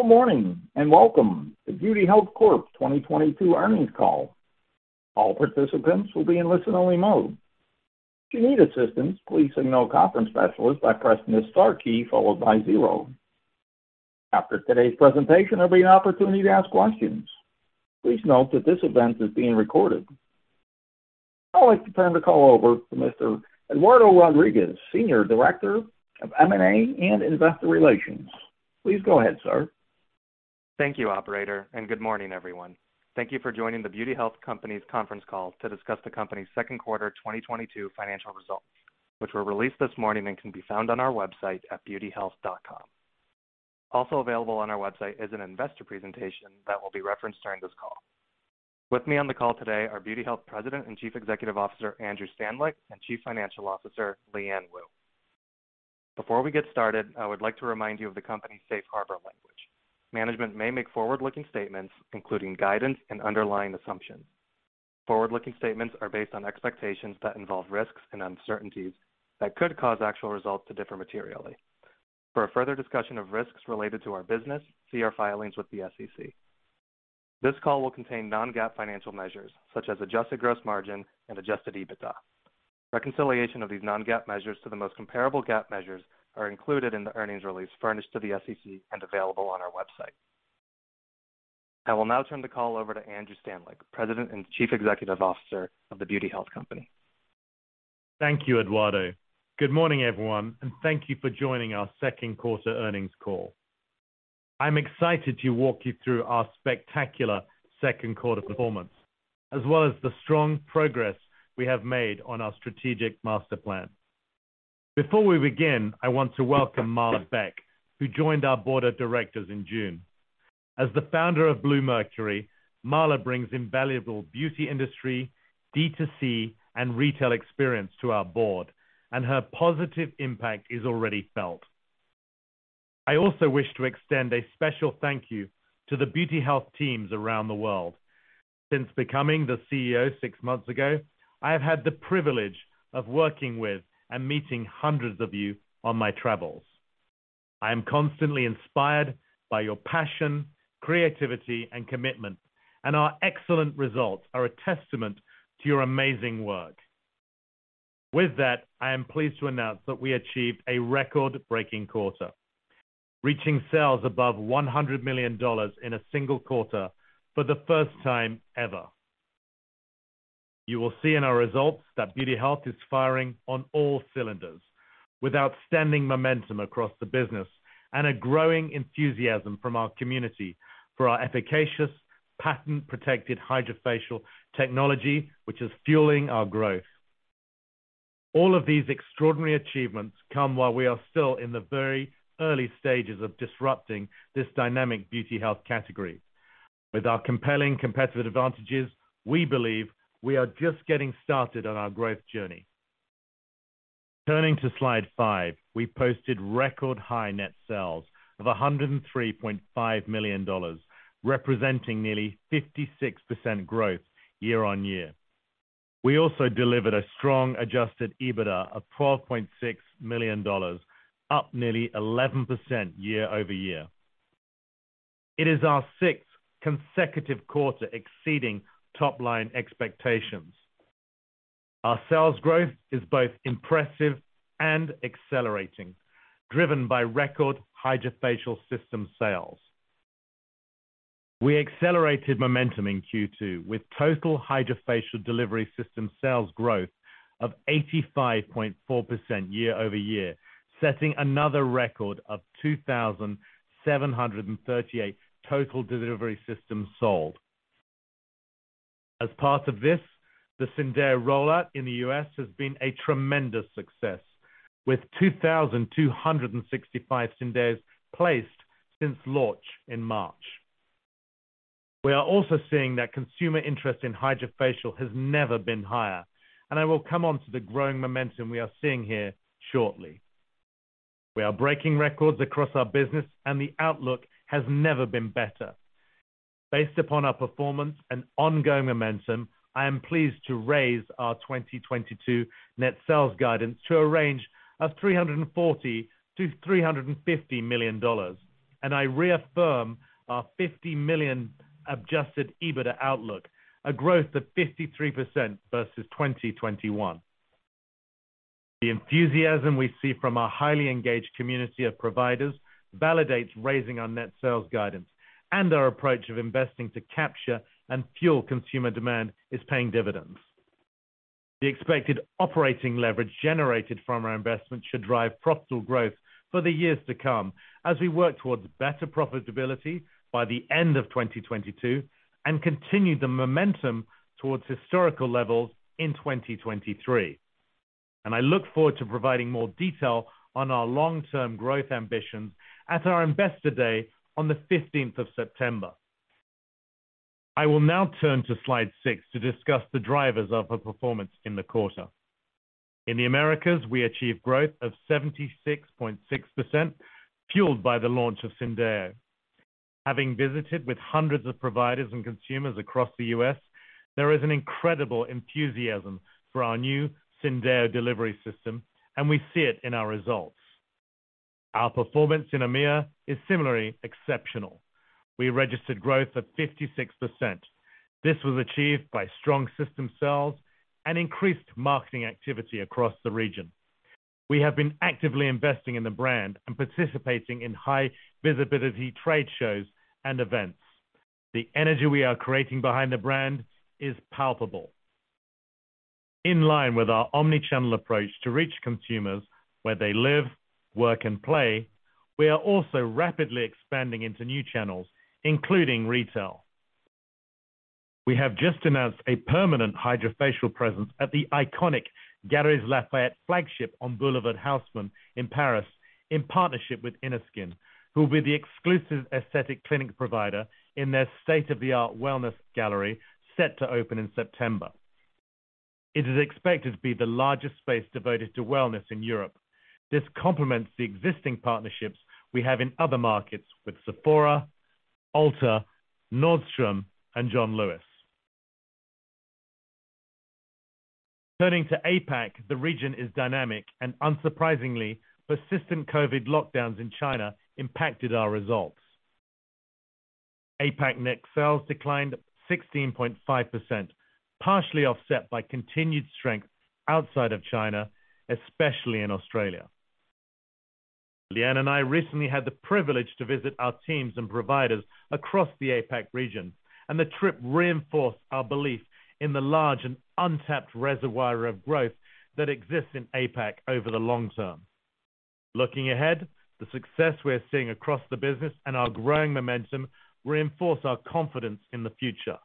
Good morning and welcome to The Beauty Health Company's 2022 earnings call. All participants will be in listen only mode. If you need assistance, please signal a conference specialist by pressing the star key followed by zero. After today's presentation, there'll be an opportunity to ask questions. Please note that this event is being recorded. I'd like to turn the call over to Mr. Eduardo Rodriguez, Senior Director of M&A and Investor Relations. Please go ahead, sir. Thank you, operator, and good morning, everyone. Thank you for joining The Beauty Health Company's conference call to discuss the company's second quarter 2022 financial results, which were released this morning and can be found on our website at beautyhealth.com. Also available on our website is an investor presentation that will be referenced during this call. With me on the call today are The Beauty Health Company President and Chief Executive Officer, Andrew Stanleick, and Chief Financial Officer, Liyuan Woo. Before we get started, I would like to remind you of the company's safe harbor language. Management may make forward-looking statements including guidance and underlying assumptions. Forward-looking statements are based on expectations that involve risks and uncertainties that could cause actual results to differ materially. For a further discussion of risks related to our business, see our filings with the SEC. This call will contain non-GAAP financial measures such as adjusted gross margin and adjusted EBITDA. Reconciliation of these non-GAAP measures to the most comparable GAAP measures are included in the earnings release furnished to the SEC and available on our website. I will now turn the call over to Andrew Stanleick, President and Chief Executive Officer of The Beauty Health Company. Thank you, Eduardo. Good morning, everyone, and thank you for joining our second quarter earnings call. I'm excited to walk you through our spectacular second quarter performance, as well as the strong progress we have made on our strategic master plan. Before we begin, I want to welcome Marla Beck, who joined our board of directors in June. As the founder of Bluemercury, Marla brings invaluable beauty industry, D2C, and retail experience to our board, and her positive impact is already felt. I also wish to extend a special thank you to the Beauty Health teams around the world. Since becoming the CEO six months ago, I have had the privilege of working with and meeting hundreds of you on my travels. I am constantly inspired by your passion, creativity, and commitment, and our excellent results are a testament to your amazing work. With that, I am pleased to announce that we achieved a record-breaking quarter, reaching sales above $100 million in a single quarter for the first time ever. You will see in our results that The Beauty Health Company is firing on all cylinders with outstanding momentum across the business and a growing enthusiasm from our community for our efficacious, patent-protected HydraFacial technology, which is fueling our growth. All of these extraordinary achievements come while we are still in the very early stages of disrupting this dynamic beauty health category. With our compelling competitive advantages, we believe we are just getting started on our growth journey. Turning to slide 5, we posted record high net sales of $103.5 million, representing nearly 56% growth year-over-year. We also delivered a strong adjusted EBITDA of $12.6 million, up nearly 11% year-over-year. It is our sixth consecutive quarter exceeding top line expectations. Our sales growth is both impressive and accelerating, driven by record HydraFacial system sales. We accelerated momentum in Q2 with total HydraFacial delivery system sales growth of 85.4% year-over-year, setting another record of 2,738 total delivery systems sold. As part of this, the Syndeo rollout in the U.S. has been a tremendous success, with 2,265 Syndeos placed since launch in March. We are also seeing that consumer interest in HydraFacial has never been higher, and I will come on to the growing momentum we are seeing here shortly. We are breaking records across our business, and the outlook has never been better. Based upon our performance and ongoing momentum, I am pleased to raise our 2022 net sales guidance to a range of $340 million-$350 million, and I reaffirm our $50 million adjusted EBITDA outlook, a growth of 53% versus 2021. The enthusiasm we see from our highly engaged community of providers validates raising our net sales guidance, and our approach of investing to capture and fuel consumer demand is paying dividends. The expected operating leverage generated from our investment should drive profitable growth for the years to come as we work towards better profitability by the end of 2022 and continue the momentum towards historical levels in 2023. I look forward to providing more detail on our long-term growth ambitions at our Investor Day on the fifteenth of September. I will now turn to slide 6 to discuss the drivers of our performance in the quarter. In the Americas, we achieved growth of 76.6%, fueled by the launch of Syndeo. Having visited with hundreds of providers and consumers across the U.S., there is an incredible enthusiasm for our new Syndeo delivery system, and we see it in our results. Our performance in EMEA is similarly exceptional. We registered growth of 56%. This was achieved by strong system sales and increased marketing activity across the region. We have been actively investing in the brand and participating in high visibility trade shows and events. The energy we are creating behind the brand is palpable. In line with our omni-channel approach to reach consumers where they live, work, and play, we are also rapidly expanding into new channels, including retail. We have just announced a permanent HydraFacial presence at the iconic Galeries Lafayette flagship on Boulevard Haussmann in Paris, in partnership with Innerskin, who will be the exclusive aesthetic clinic provider in their state-of-the-art wellness gallery set to open in September. It is expected to be the largest space devoted to wellness in Europe. This complements the existing partnerships we have in other markets with Sephora, Ulta, Nordstrom, and John Lewis. Turning to APAC, the region is dynamic and unsurprisingly, persistent COVID lockdowns in China impacted our results. APAC net sales declined 16.5%, partially offset by continued strength outside of China, especially in Australia. Liyuan Woo and I recently had the privilege to visit our teams and providers across the APAC region, and the trip reinforced our belief in the large and untapped reservoir of growth that exists in APAC over the long term. Looking ahead, the success we are seeing across the business and our growing momentum reinforce our confidence in the future.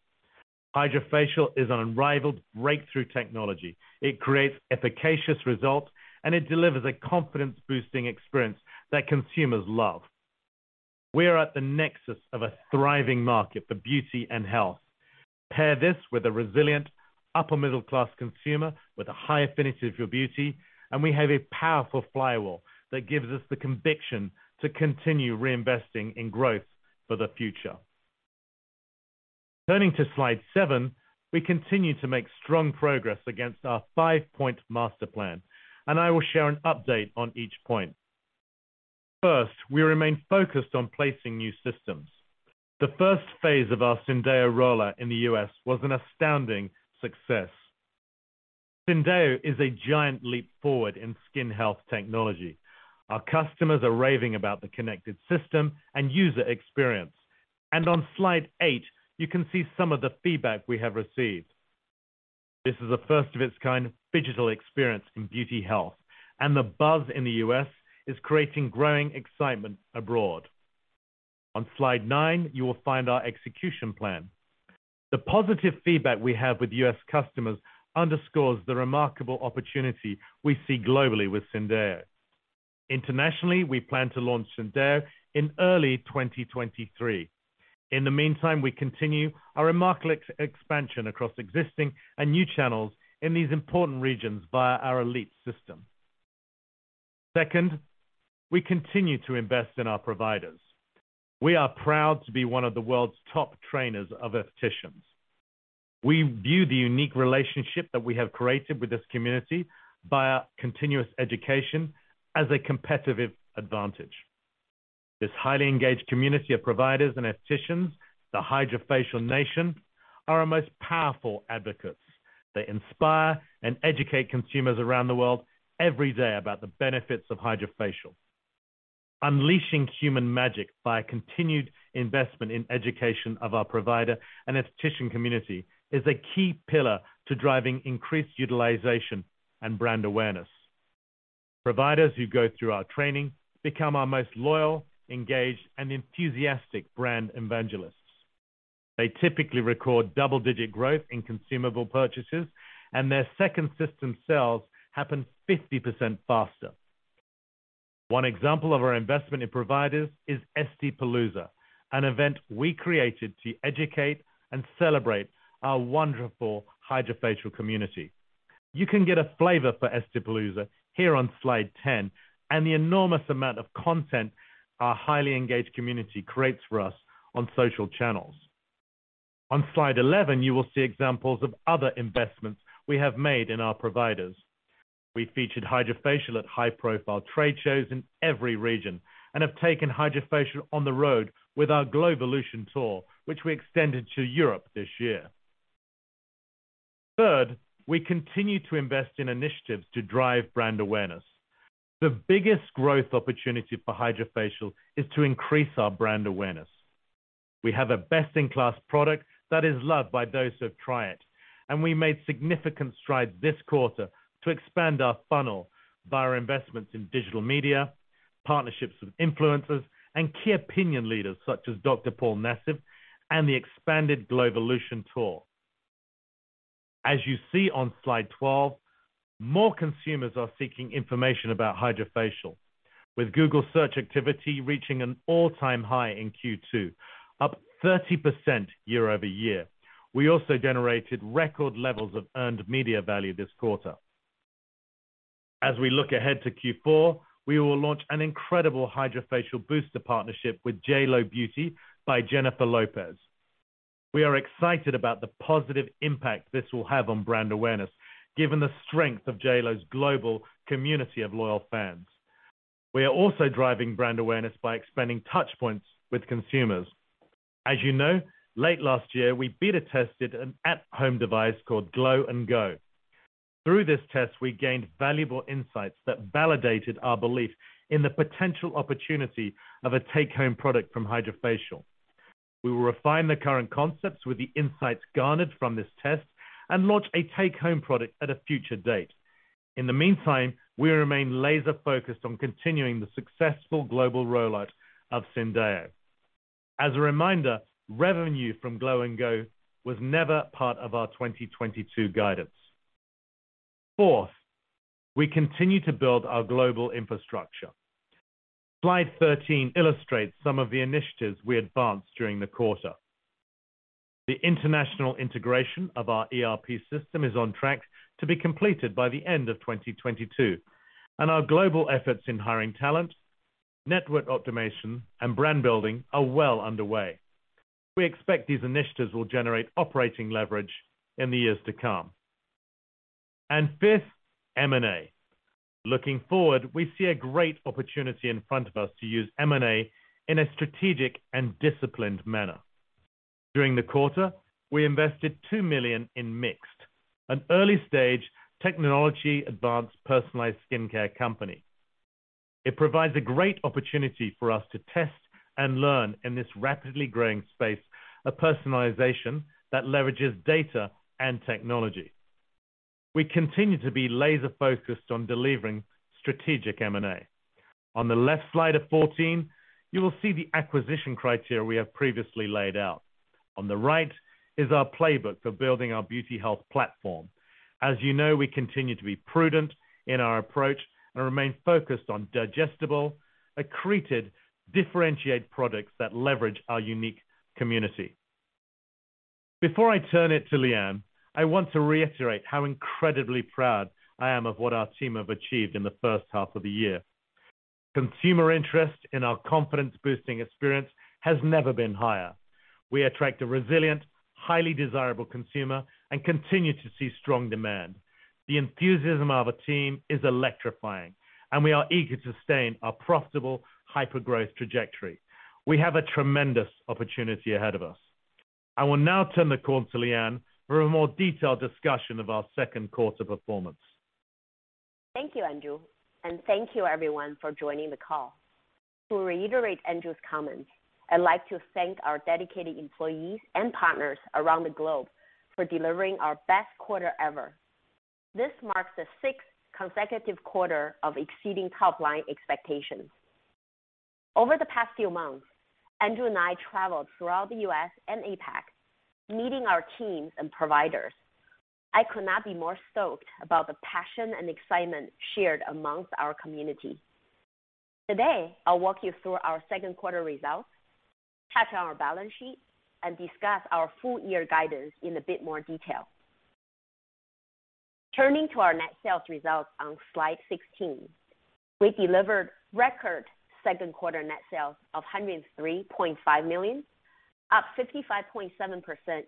HydraFacial is an unrivaled breakthrough technology. It creates efficacious results, and it delivers a confidence-boosting experience that consumers love. We are at the nexus of a thriving market for beauty and health. Pair this with a resilient upper middle class consumer with a high affinity for beauty, and we have a powerful flywheel that gives us the conviction to continue reinvesting in growth for the future. Turning to slide seven, we continue to make strong progress against our five-point master plan, and I will share an update on each point. First, we remain focused on placing new systems. The first phase of our Syndeo rollout in the U.S. was an astounding success. Syndeo is a giant leap forward in skin health technology. Our customers are raving about the connected system and user experience. On slide 8, you can see some of the feedback we have received. This is the first of its kind phygital experience in beauty health, and the buzz in the U.S. is creating growing excitement abroad. On slide 9, you will find our execution plan. The positive feedback we have with U.S. customers underscores the remarkable opportunity we see globally with Syndeo. Internationally, we plan to launch Syndeo in early 2023. In the meantime, we continue our remarkable expansion across existing and new channels in these important regions via our Elite system. Second, we continue to invest in our providers. We are proud to be one of the world's top trainers of aestheticians. We view the unique relationship that we have created with this community via continuous education as a competitive advantage. This highly engaged community of providers and aestheticians, the HydraFacial nation, are our most powerful advocates. They inspire and educate consumers around the world every day about the benefits of HydraFacial. Unleashing human magic by continued investment in education of our provider and esthetician community is a key pillar to driving increased utilization and brand awareness. Providers who go through our training become our most loyal, engaged, and enthusiastic brand evangelists. They typically record double-digit growth in consumable purchases, and their second system sales happen 50% faster. One example of our investment in providers is Estipalooza, an event we created to educate and celebrate our wonderful HydraFacial community. You can get a flavor for Estipalooza here on slide 10, and the enormous amount of content our highly engaged community creates for us on social channels. On slide 11, you will see examples of other investments we have made in our providers. We featured HydraFacial at high-profile trade shows in every region and have taken HydraFacial on the road with our GLOWvolution tour, which we extended to Europe this year. Third, we continue to invest in initiatives to drive brand awareness. The biggest growth opportunity for HydraFacial is to increase our brand awareness. We have a best-in-class product that is loved by those who have tried it, and we made significant strides this quarter to expand our funnel via investments in digital media, partnerships with influencers, and key opinion leaders such as Dr. Paul Nassif and the expanded GLOWvolution tour. As you see on slide 12, more consumers are seeking information about HydraFacial. With Google search activity reaching an all-time high in Q2, up 30% year-over-year. We also generated record levels of earned media value this quarter. As we look ahead to Q4, we will launch an incredible HydraFacial booster partnership with JLo Beauty by Jennifer Lopez. We are excited about the positive impact this will have on brand awareness, given the strength of J.Lo's global community of loyal fans. We are also driving brand awareness by expanding touch points with consumers. As you know, late last year, we beta tested an at-home device called Glow and Go. Through this test, we gained valuable insights that validated our belief in the potential opportunity of a take-home product from HydraFacial. We will refine the current concepts with the insights garnered from this test and launch a take-home product at a future date. In the meantime, we remain laser focused on continuing the successful global rollout of Syndeo. As a reminder, revenue from Glow and Go was never part of our 2022 guidance. Fourth, we continue to build our global infrastructure. Slide 13 illustrates some of the initiatives we advanced during the quarter. The international integration of our ERP system is on track to be completed by the end of 2022, and our global efforts in hiring talent, network automation, and brand building are well underway. We expect these initiatives will generate operating leverage in the years to come. Fifth, M&A. Looking forward, we see a great opportunity in front of us to use M&A in a strategic and disciplined manner. During the quarter, we invested $2 million in Mxt, an early-stage technology advanced personalized skincare company. It provides a great opportunity for us to test and learn in this rapidly growing space of personalization that leverages data and technology. We continue to be laser-focused on delivering strategic M&A. On the left slide of 14, you will see the acquisition criteria we have previously laid out. On the right is our playbook for building our Beauty Health platform. As you know, we continue to be prudent in our approach and remain focused on digestible, accreted, differentiated products that leverage our unique community. Before I turn it to Liyuan, I want to reiterate how incredibly proud I am of what our team have achieved in the first half of the year. Consumer interest in our confidence-boosting experience has never been higher. We attract a resilient, highly desirable consumer and continue to see strong demand. The enthusiasm of our team is electrifying, and we are eager to sustain our profitable hypergrowth trajectory. We have a tremendous opportunity ahead of us. I will now turn the call to Liyuan Woo for a more detailed discussion of our second quarter performance. Thank you, Andrew, and thank you everyone for joining the call. To reiterate Andrew's comments, I'd like to thank our dedicated employees and partners around the globe for delivering our best quarter ever. This marks the sixth consecutive quarter of exceeding top-line expectations. Over the past few months, Andrew and I traveled throughout the US and APAC, meeting our teams and providers. I could not be more stoked about the passion and excitement shared among our community. Today, I'll walk you through our second quarter results, touch on our balance sheet, and discuss our full year guidance in a bit more detail. Turning to our net sales results on slide 16, we delivered record second quarter net sales of $103.5 million, up 55.7%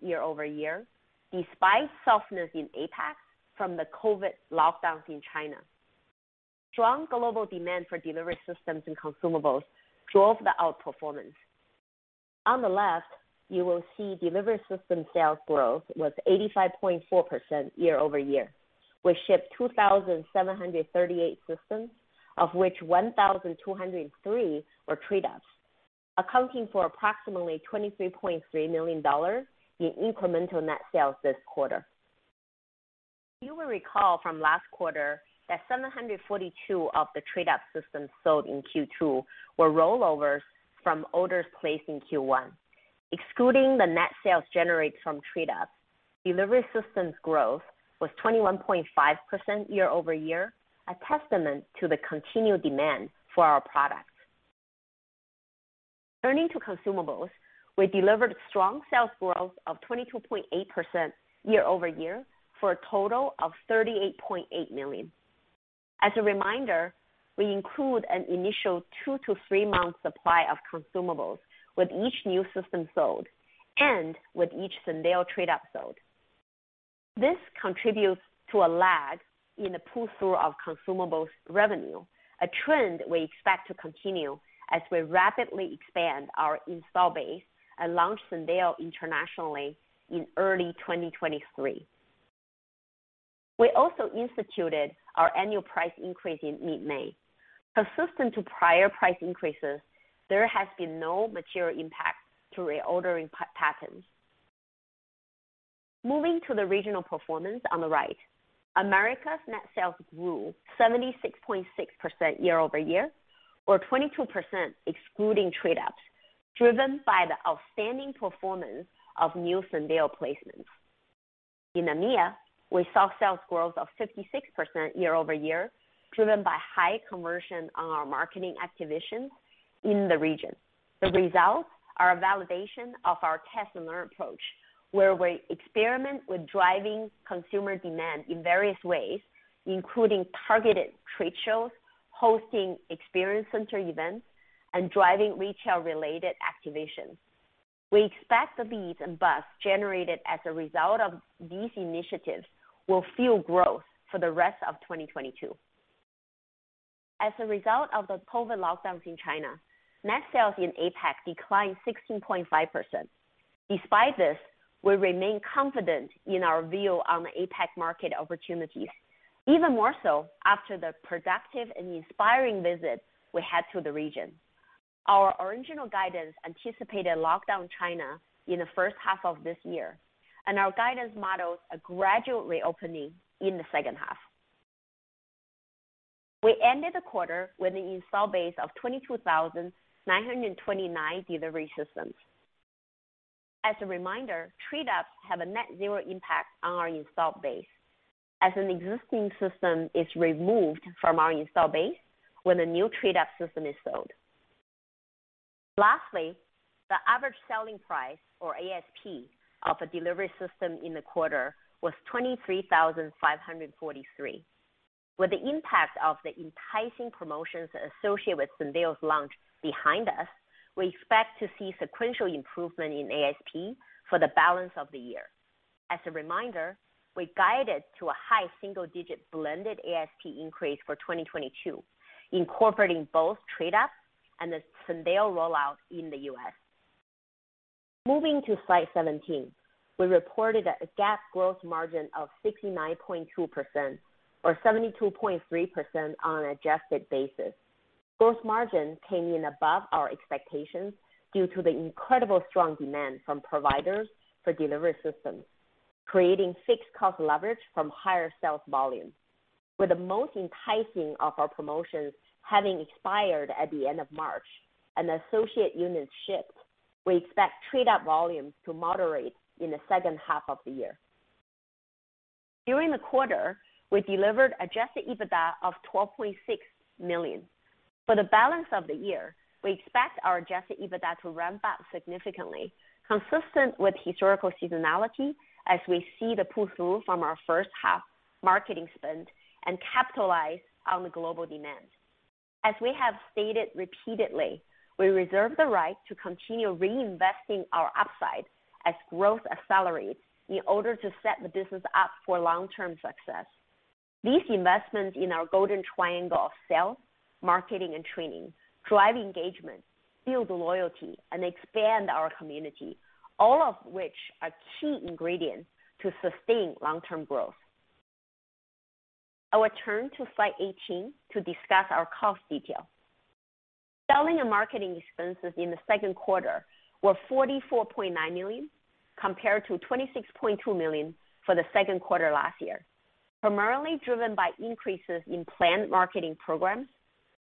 year-over-year, despite softness in APAC from the COVID lockdowns in China. Strong global demand for delivery systems and consumables drove the outperformance. On the left, you will see delivery system sales growth was 85.4% year-over-year. We shipped 2,738 systems, of which 1,203 were trade-ups, accounting for approximately $23.3 million in incremental net sales this quarter. You will recall from last quarter that 742 of the trade-up systems sold in Q2 were rollovers from orders placed in Q1. Excluding the net sales generated from trade-ups, delivery systems growth was 21.5% year-over-year, a testament to the continued demand for our products. Turning to consumables, we delivered strong sales growth of 22.8% year-over-year for a total of $38.8 million. As a reminder, we include an initial 2- to 3-month supply of consumables with each new system sold and with each Syndeo trade-up sold. This contributes to a lag in the pull-through of consumables revenue, a trend we expect to continue as we rapidly expand our install base and launch Syndeo internationally in early 2023. We also instituted our annual price increase in mid-May. Consistent to prior price increases, there has been no material impact to reordering patterns. Moving to the regional performance on the right, America's net sales grew 76.6% year-over-year or 22% excluding trade-ups, driven by the outstanding performance of new Syndeo placements. In EMEA, we saw sales growth of 56% year-over-year, driven by high conversion on our marketing activations in the region. The results are a validation of our test and learn approach, where we experiment with driving consumer demand in various ways, including targeted trade shows, hosting experience center events, and driving retail-related activations. We expect the leads and buzz generated as a result of these initiatives will fuel growth for the rest of 2022. As a result of the COVID lockdowns in China, net sales in APAC declined 16.5%. Despite this, we remain confident in our view on the APAC market opportunities, even more so after the productive and inspiring visit we had to the region. Our original guidance anticipated lockdowns in China in the first half of this year, and our guidance modeled a gradually opening in the second half. We ended the quarter with an installed base of 22,929 delivery systems. As a reminder, trade ups have a net zero impact on our installed base as an existing system is removed from our install base when a new trade-up system is sold. Lastly, the average selling price, or ASP, of a delivery system in the quarter was $23,543. With the impact of the enticing promotions associated with Syndeo's launch behind us, we expect to see sequential improvement in ASP for the balance of the year. As a reminder, we guided to a high single-digit blended ASP increase for 2022, incorporating both trade ups and the Syndeo rollout in the US. Moving to slide 17. We reported a GAAP gross margin of 69.2% or 72.3% on an adjusted basis. Gross margin came in above our expectations due to the incredibly strong demand from providers for delivery systems, creating fixed cost leverage from higher sales volumes. With the most enticing of our promotions having expired at the end of March and associated units shipped, we expect trade-up volumes to moderate in the second half of the year. During the quarter, we delivered adjusted EBITDA of $12.6 million. For the balance of the year, we expect our adjusted EBITDA to ramp up significantly, consistent with historical seasonality as we see the pull-through from our first half marketing spend and capitalize on the global demand. We have stated repeatedly, we reserve the right to continue reinvesting our upside as growth accelerates in order to set the business up for long-term success. These investments in our golden triangle of sales, marketing, and training, drive engagement, build loyalty, and expand our community, all of which are key ingredients to sustain long-term growth. I will turn to slide 18 to discuss our cost detail. Selling and marketing expenses in the second quarter were $44.9 million, compared to $26.2 million for the second quarter last year, primarily driven by increases in planned marketing programs,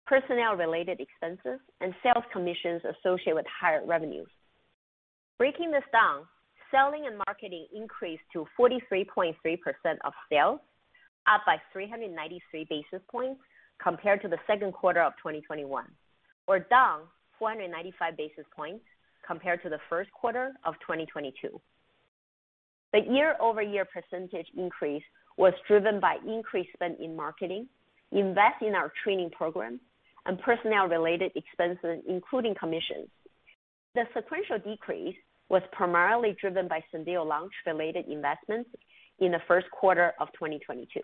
personnel-related expenses, and sales commissions associated with higher revenues. Breaking this down, selling and marketing increased to 43.3% of sales, up by 393 basis points compared to the second quarter of 2021. We're down 495 basis points compared to the first quarter of 2022. The year-over-year percentage increase was driven by increased spend in marketing, investment in our training program, and personnel-related expenses, including commissions. The sequential decrease was primarily driven by Syndeo launch-related investments in the first quarter of 2022.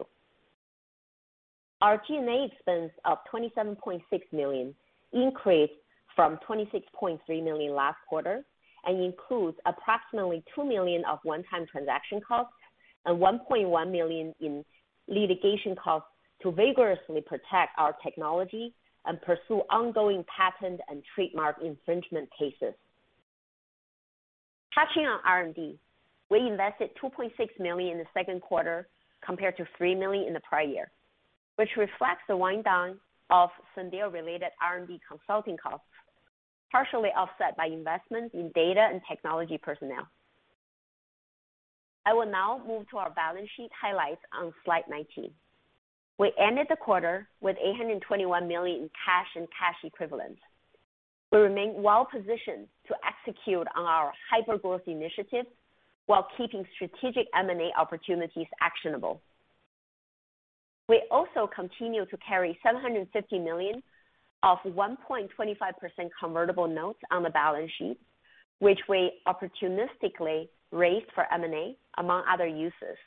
Our G&A expense of $27.6 million increased from $26.3 million last quarter and includes approximately $2 million of one-time transaction costs and $1.1 million in litigation costs to vigorously protect our technology and pursue ongoing patent and trademark infringement cases. Touching on R&D, we invested $2.6 million in the second quarter compared to $3 million in the prior year, which reflects the wind down of Syndeo-related R&D consulting costs, partially offset by investments in data and technology personnel. I will now move to our balance sheet highlights on slide 19. We ended the quarter with $821 million in cash and cash equivalents. We remain well-positioned to execute on our hyper-growth initiatives while keeping strategic M&A opportunities actionable. We also continue to carry $750 million of 1.25% convertible notes on the balance sheet, which we opportunistically raised for M&A, among other uses.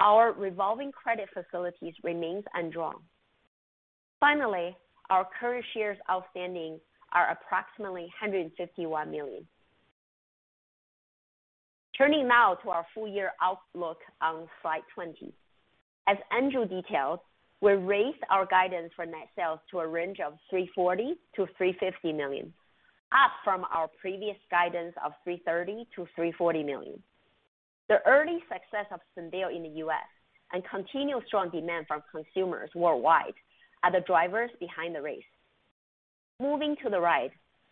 Our revolving credit facilities remains undrawn. Finally, our current shares outstanding are approximately 151 million. Turning now to our full-year outlook on slide 20. As Andrew detailed, we raised our guidance for net sales to a range of $340-$350 million, up from our previous guidance of $330-$340 million. The early success of Syndeo in the US and continued strong demand from consumers worldwide are the drivers behind the raise. Moving to the right,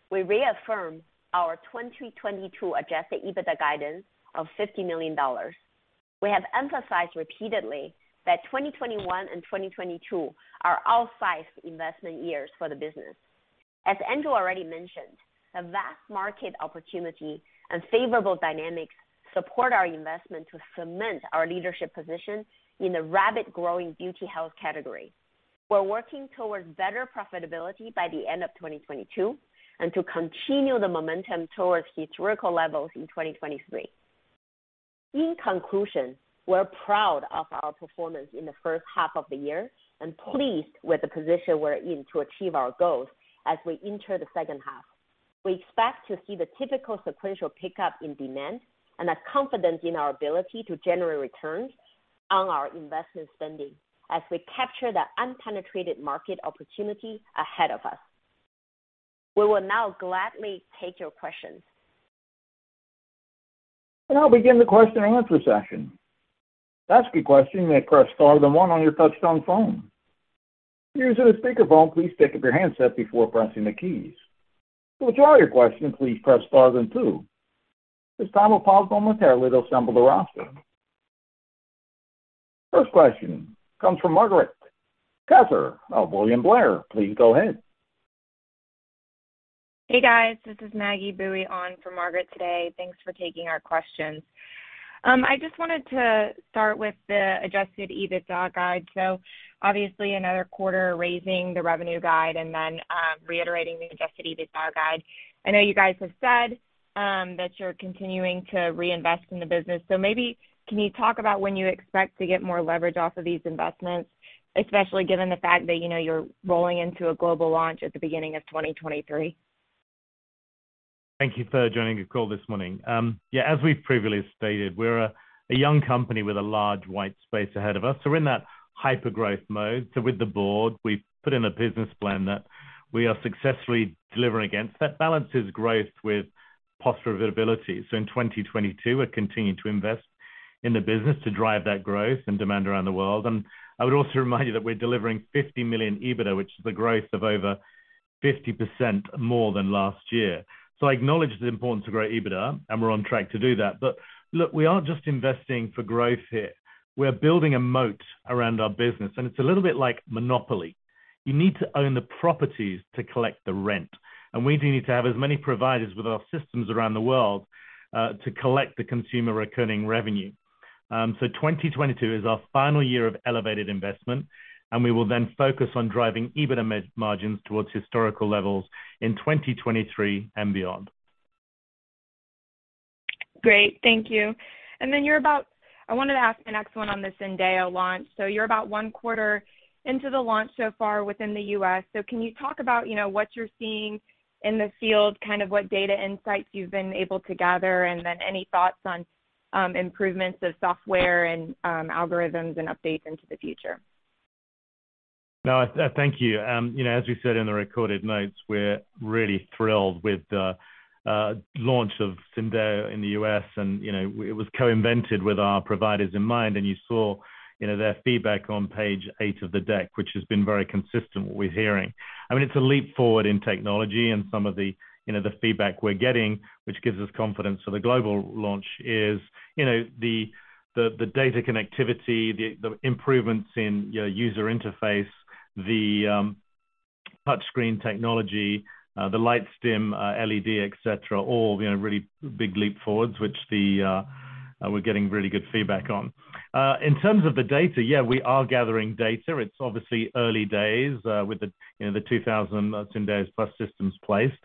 we reaffirm our 2022 adjusted EBITDA guidance of $50 million. We have emphasized repeatedly that 2021 and 2022 are outsized investment years for the business. As Andrew already mentioned, a vast market opportunity and favorable dynamics support our investment to cement our leadership position in the rapidly growing beauty health category. We're working towards better profitability by the end of 2022 and to continue the momentum towards historical levels in 2023. In conclusion, we're proud of our performance in the first half of the year and pleased with the position we're in to achieve our goals as we enter the second half. We expect to see the typical sequential pickup in demand and are confident in our ability to generate returns on our investment spending as we capture the unpenetrated market opportunity ahead of us. We will now gladly take your questions. I'll begin the question and answer session. To ask a question, you may press star then one on your touchtone phone. If you're using a speakerphone, please pick up your handset before pressing the keys. To withdraw your question, please press star then two. This time we'll pause momentarily to assemble the roster. First question comes from Margaret Nolan of William Blair. Please go ahead. Hey, guys. This is Maggie Nolan on for Margaret today. Thanks for taking our questions. I just wanted to start with the adjusted EBITDA guide. Obviously another quarter raising the revenue guide and then, reiterating the adjusted EBITDA guide. I know you guys have said, that you're continuing to reinvest in the business. Maybe can you talk about when you expect to get more leverage off of these investments, especially given the fact that, you know, you're rolling into a global launch at the beginning of 2023? Thank you for joining the call this morning. Yeah, as we've previously stated, we're a young company with a large white space ahead of us. We're in that hyper-growth mode. With the board, we've put in a business plan that we are successfully delivering against that balances growth with posture of availability. In 2022, we're continuing to invest in the business to drive that growth and demand around the world. I would also remind you that we're delivering $50 million EBITDA, which is the growth of over 50% more than last year. I acknowledge the importance of great EBITDA, and we're on track to do that. Look, we aren't just investing for growth here. We're building a moat around our business, and it's a little bit like Monopoly. You need to own the properties to collect the rent, and we do need to have as many providers with our systems around the world, to collect the consumer recurring revenue. 2022 is our final year of elevated investment, and we will then focus on driving EBITDA margins towards historical levels in 2023 and beyond. Great. Thank you. I wanted to ask the next one on the Syndeo launch. You're about one quarter into the launch so far within the U.S. Can you talk about, you know, what you're seeing in the field, kind of what data insights you've been able to gather, and then any thoughts on, improvements of software and, algorithms and updates into the future? No, thank you. You know, as we said in the recorded notes, we're really thrilled with the launch of Syndeo in the US. You know, it was co-invented with our providers in mind. You saw, you know, their feedback on page eight of the deck, which has been very consistent what we're hearing. I mean, it's a leap forward in technology and some of the, you know, the feedback we're getting, which gives us confidence. The global launch is, you know, the data connectivity, the improvements in your user interface, the touch screen technology, the LightStim LED, et cetera, all, you know, really big leap forwards, which we're getting really good feedback on. In terms of the data, yeah, we are gathering data. It's obviously early days with you know the 2,000 Syndeo plus systems placed.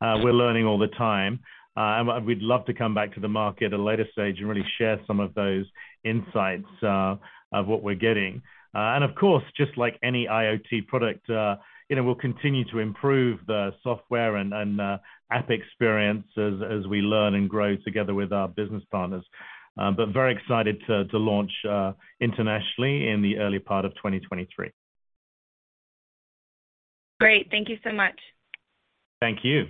We're learning all the time. We'd love to come back to the market at a later stage and really share some of those insights of what we're getting. Of course just like any IoT product you know we'll continue to improve the software and app experience as we learn and grow together with our business partners. Very excited to launch internationally in the early part of 2023. Great. Thank you so much. Thank you.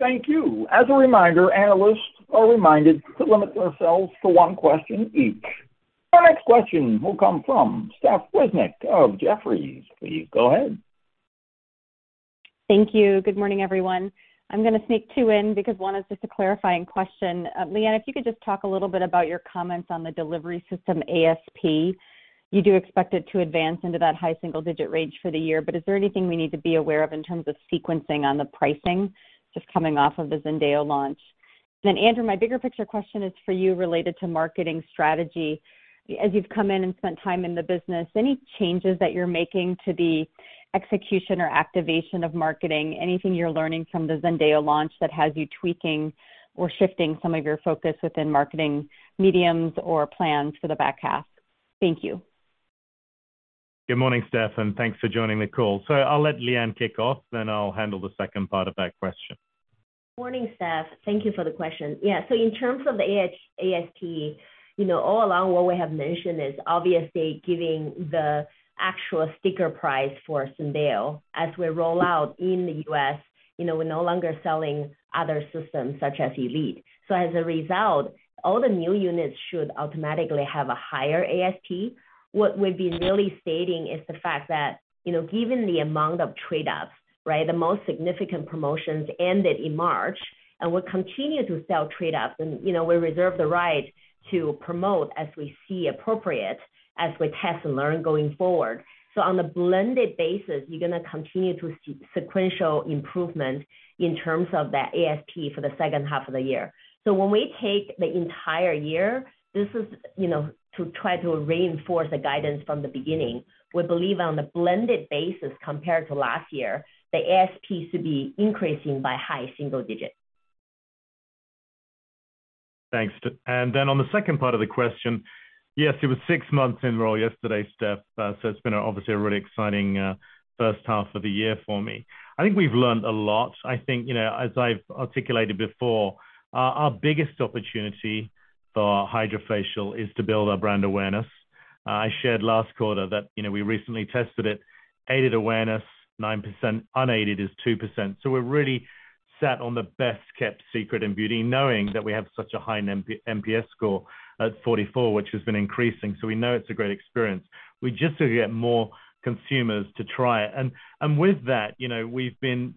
Thank you. As a reminder, analysts are reminded to limit themselves to one question each. Our next question will come from Stephanie Wissink of Jefferies. Please go ahead. Thank you. Good morning, everyone. I'm gonna sneak two in because one is just a clarifying question. Liyuan, if you could just talk a little bit about your comments on the delivery system ASP. You do expect it to advance into that high single-digit range for the year, but is there anything we need to be aware of in terms of sequencing on the pricing just coming off of the Syndeo launch? Then Andrew, my bigger picture question is for you related to marketing strategy. As you've come in and spent time in the business, any changes that you're making to the execution or activation of marketing? Anything you're learning from the Syndeo launch that has you tweaking or shifting some of your focus within marketing mediums or plans for the back half? Thank you. Good morning, Steph, and thanks for joining the call. I'll let Liyuan kick off, then I'll handle the second part of that question. Morning, Steph. Thank you for the question. Yeah. In terms of the ASP, you know, all along what we have mentioned is obviously giving the actual sticker price for Syndeo. As we roll out in the U.S., you know, we're no longer selling other systems such as Elite. As a result, all the new units should automatically have a higher ASP. What we've been really stating is the fact that, you know, given the amount of trade-ups, right, the most significant promotions ended in March. We'll continue to sell trade-ups and, you know, we reserve the right to promote as we see appropriate as we test and learn going forward. On a blended basis, you're gonna continue to see sequential improvement in terms of that ASP for the second half of the year. When we take the entire year, this is, you know, to try to reinforce the guidance from the beginning. We believe on a blended basis compared to last year, the ASP should be increasing by high single digits. Thanks, Steph. On the second part of the question, yes, it was six months in a row yesterday, Steph. It's been obviously a really exciting first half of the year for me. I think we've learned a lot. I think, you know, as I've articulated before, our biggest opportunity for HydraFacial is to build our brand awareness. I shared last quarter that, you know, we recently tested it. Aided awareness, 9%. Unaided is 2%. We're really set on the best-kept secret in beauty, knowing that we have such a high NPS score at 44, which has been increasing. We know it's a great experience. We just need to get more consumers to try it. With that, you know, we've been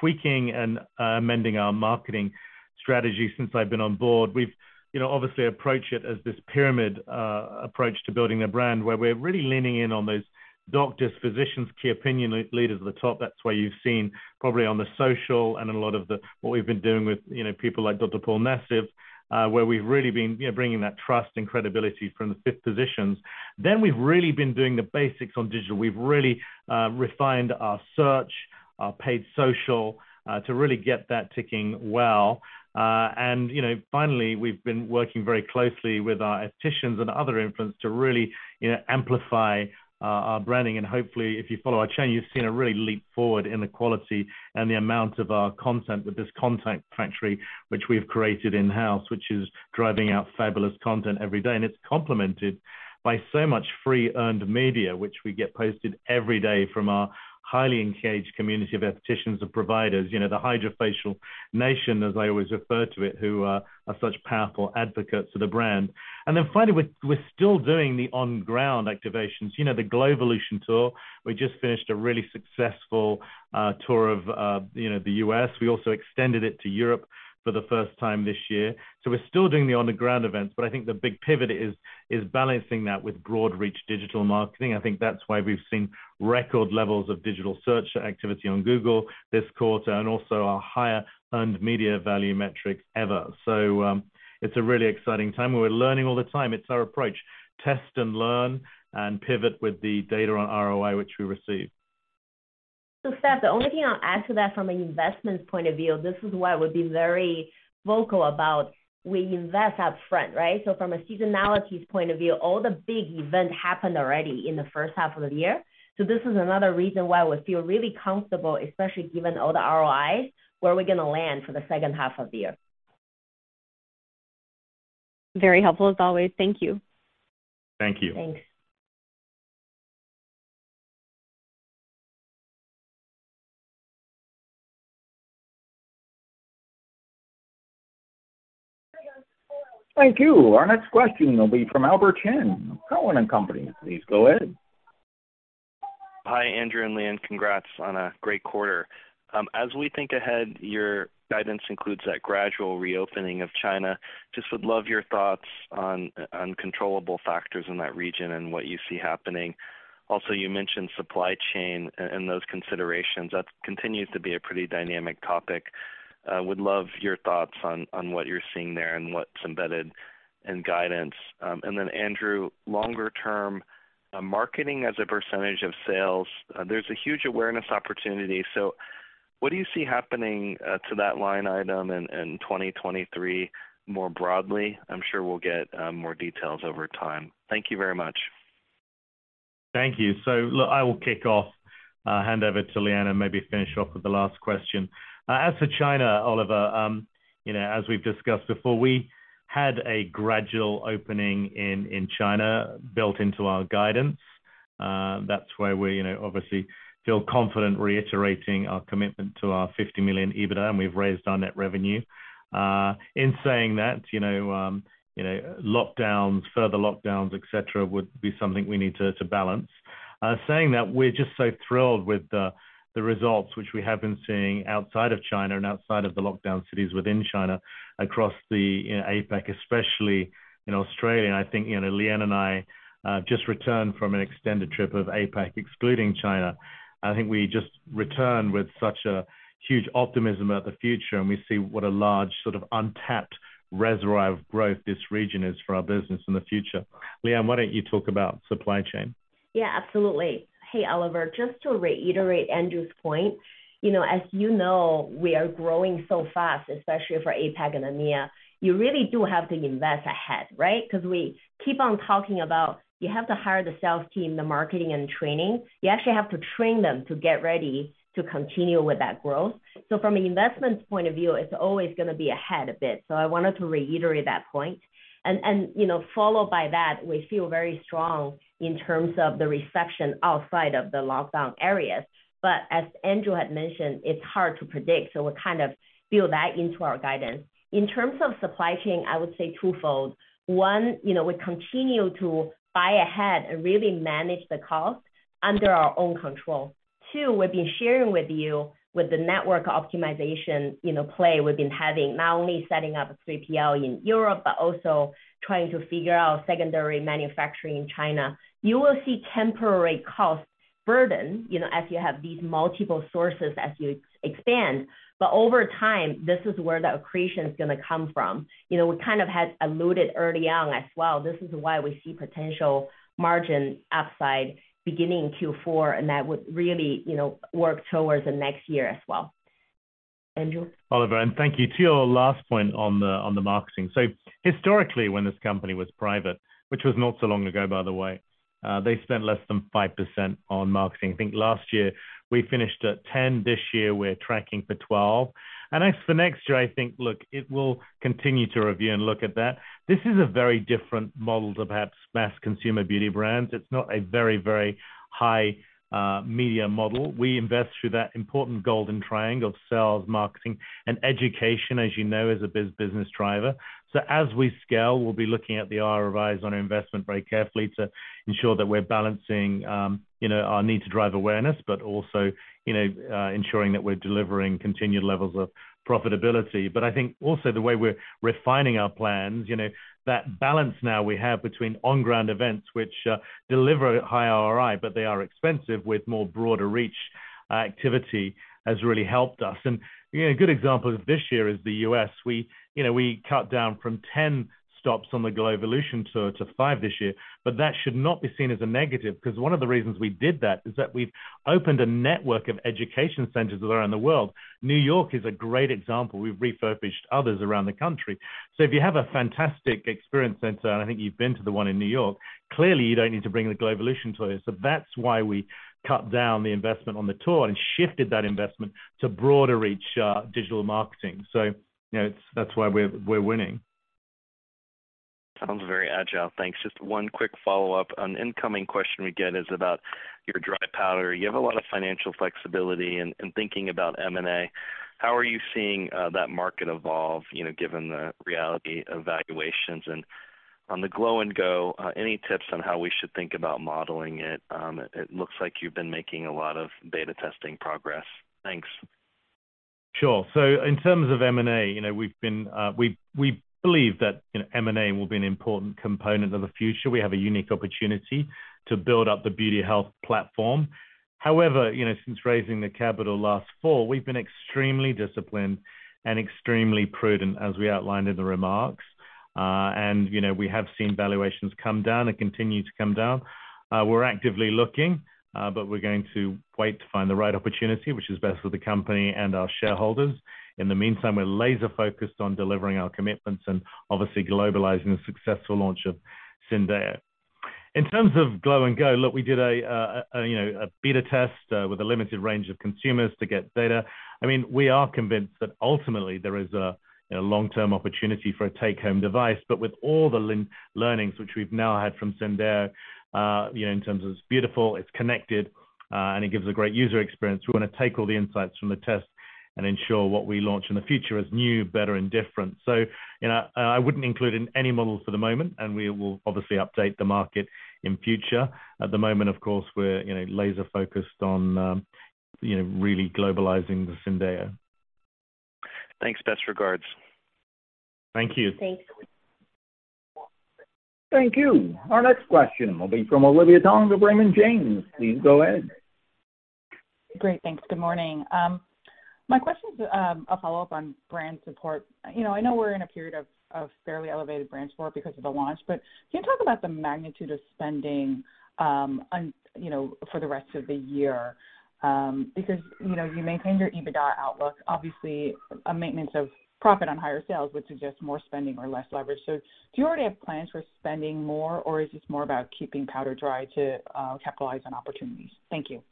tweaking and amending our marketing strategy since I've been on board. We've, you know, obviously approach it as this pyramid approach to building a brand, where we're really leaning in on those doctors, physicians, key opinion leaders at the top. That's why you've seen probably on the social and a lot of what we've been doing with, you know, people like Dr. Paul Nassif, where we've really been, you know, bringing that trust and credibility from the physician positions. We've really been doing the basics on digital. We've really refined our search, our paid social, to really get that clicking well. Finally, we've been working very closely with our aestheticians and other influencers to really, you know, amplify our branding. Hopefully, if you follow our chain, you've seen a really leap forward in the quality and the amount of our content with this content factory which we've created in-house, which is driving out fabulous content every day. It's complemented by so much free earned media, which we get posted every day from our highly engaged community of aestheticians and providers. You know, the HydraFacial nation, as I always refer to it, who are such powerful advocates for the brand. Then finally, we're still doing the on-ground activations. You know, the Glowvolution tour, we just finished a really successful tour of, you know, the US. We also extended it to Europe for the first time this year. We're still doing the on-the-ground events, but I think the big pivot is balancing that with broad reach digital marketing. I think that's why we've seen record levels of digital search activity on Google this quarter and also our higher earned media value metrics ever. It's a really exciting time, and we're learning all the time. It's our approach, test and learn and pivot with the data on ROI which we receive. Steph, the only thing I'll add to that from an investment point of view, this is why we've been very vocal about we invest up front, right? From a seasonality point of view, all the big events happened already in the first half of the year. This is another reason why we feel really comfortable, especially given all the ROIs, where we're gonna land for the second half of the year. Very helpful as always. Thank you. Thank you. Thanks. Thank you. Our next question will be from Oliver Chen, Cowen and Company. Please go ahead. Hi, Andrew and Liyuan. Congrats on a great quarter. As we think ahead, your guidance includes that gradual reopening of China. Just would love your thoughts on controllable factors in that region and what you see happening. Also, you mentioned supply chain and those considerations. That continues to be a pretty dynamic topic. Would love your thoughts on what you're seeing there and what's embedded in guidance. And then Andrew, longer term, marketing as a percentage of sales, there's a huge awareness opportunity. What do you see happening to that line item in 2023 more broadly? I'm sure we'll get more details over time. Thank you very much. Thank you. Look, I will kick off, hand over to Liyuan and maybe finish off with the last question. As for China, Oliver, you know, as we've discussed before, we had a gradual opening in China built into our guidance. That's why we're, you know, obviously feel confident reiterating our commitment to our $50 million EBITDA, and we've raised our net revenue. In saying that, you know, lockdowns, further lockdowns, et cetera, would be something we need to balance. Saying that, we're just so thrilled with the results which we have been seeing outside of China and outside of the lockdown cities within China across the, you know, APAC, especially in Australia. I think, you know, Liyuan and I just returned from an extended trip of APAC, excluding China. I think we just returned with such a huge optimism about the future, and we see what a large, sort of untapped reservoir of growth this region is for our business in the future. Liyuan, why don't you talk about supply chain? Yeah, absolutely. Hey, Oliver, just to reiterate Andrew's point, you know, as you know, we are growing so fast, especially for APAC and EMEA, you really do have to invest ahead, right? 'Cause we keep on talking about you have to hire the sales team, the marketing and training. You actually have to train them to get ready to continue with that growth. From an investment point of view, it's always gonna be ahead a bit. I wanted to reiterate that point. You know, followed by that, we feel very strong in terms of the reception outside of the lockdown areas. As Andrew had mentioned, it's hard to predict, so we kind of build that into our guidance. In terms of supply chain, I would say twofold. One, you know, we continue to buy ahead and really manage the cost under our own control. Too, we've been sharing with you the network optimization, you know, play we've been having, not only setting up a 3PL in Europe, but also trying to figure out secondary manufacturing in China. You will see temporary cost burden, you know, as you have these multiple sources as you expand. Over time, this is where the accretion is gonna come from. You know, we kind of had alluded early on as well. This is why we see potential margin upside beginning Q4, and that would really, you know, work towards the next year as well. Oliver, thank you. To your last point on the marketing. Historically, when this company was private, which was not so long ago, by the way, they spent less than 5% on marketing. I think last year we finished at 10%, this year we're tracking for 12%. As for next year, I think, look, it will continue to review and look at that. This is a very different model to perhaps mass consumer beauty brands. It's not a very, very high media model. We invest through that important golden triangle of sales, marketing and education, as you know, as a business driver. As we scale, we'll be looking at the ROIs on our investment very carefully to ensure that we're balancing our need to drive awareness, but also ensuring that we're delivering continued levels of profitability. I think also the way we're refining our plans, you know, that balance now we have between on-ground events which deliver high ROI, but they are expensive with more broader reach activity has really helped us. You know, a good example of this year is the U.S. You know, we cut down from 10 stops on the GLOWvolution tour to 5 this year, but that should not be seen as a negative because one of the reasons we did that is that we've opened a network of education centers around the world. New York is a great example. We've refurbished others around the country. If you have a fantastic experience center, and I think you've been to the one in New York, clearly you don't need to bring the GLOWvolution tour. That's why we cut down the investment on the tour and shifted that investment to broader reach, digital marketing. You know, that's why we're winning. Sounds very agile. Thanks. Just one quick follow-up. An incoming question we get is about your dry powder. You have a lot of financial flexibility and thinking about M&A, how are you seeing that market evolve, you know, given the reality of valuations? On the Glow and Go, any tips on how we should think about modeling it? It looks like you've been making a lot of beta testing progress. Thanks. Sure. In terms of M&A, you know, we believe that, you know, M&A will be an important component of the future. We have a unique opportunity to build up the Beauty Health platform. However, you know, since raising the capital last fall, we've been extremely disciplined and extremely prudent, as we outlined in the remarks. You know, we have seen valuations come down and continue to come down. We're actively looking, but we're going to wait to find the right opportunity, which is best for the company and our shareholders. In the meantime, we're laser focused on delivering our commitments and obviously globalizing the successful launch of Syndeo. In terms of Glow and Go, look, we did a, you know, a beta test with a limited range of consumers to get data. I mean, we are convinced that ultimately there is a you know long-term opportunity for a take-home device. With all the learnings which we've now had from Syndeo, you know, in terms of it's beautiful, it's connected, and it gives a great user experience, we wanna take all the insights from the test and ensure what we launch in the future is new, better and different. You know, I wouldn't include in any models for the moment, and we will obviously update the market in future. At the moment, of course, we're you know laser focused on you know really globalizing the Syndeo. Thanks. Best regards. Thank you. Thanks. Thank you. Our next question will be from Olivia Tong of Raymond James. Please go ahead. Great. Thanks. Good morning. My question is a follow-up on brand support. You know, I know we're in a period of fairly elevated brand support because of the launch, but can you talk about the magnitude of spending on, you know, for the rest of the year? Because, you know, you maintained your EBITDA outlook. Obviously, a maintenance of profit on higher sales would suggest more spending or less leverage. Do you already have plans for spending more, or is this more about keeping powder dry to capitalize on opportunities? Thank you.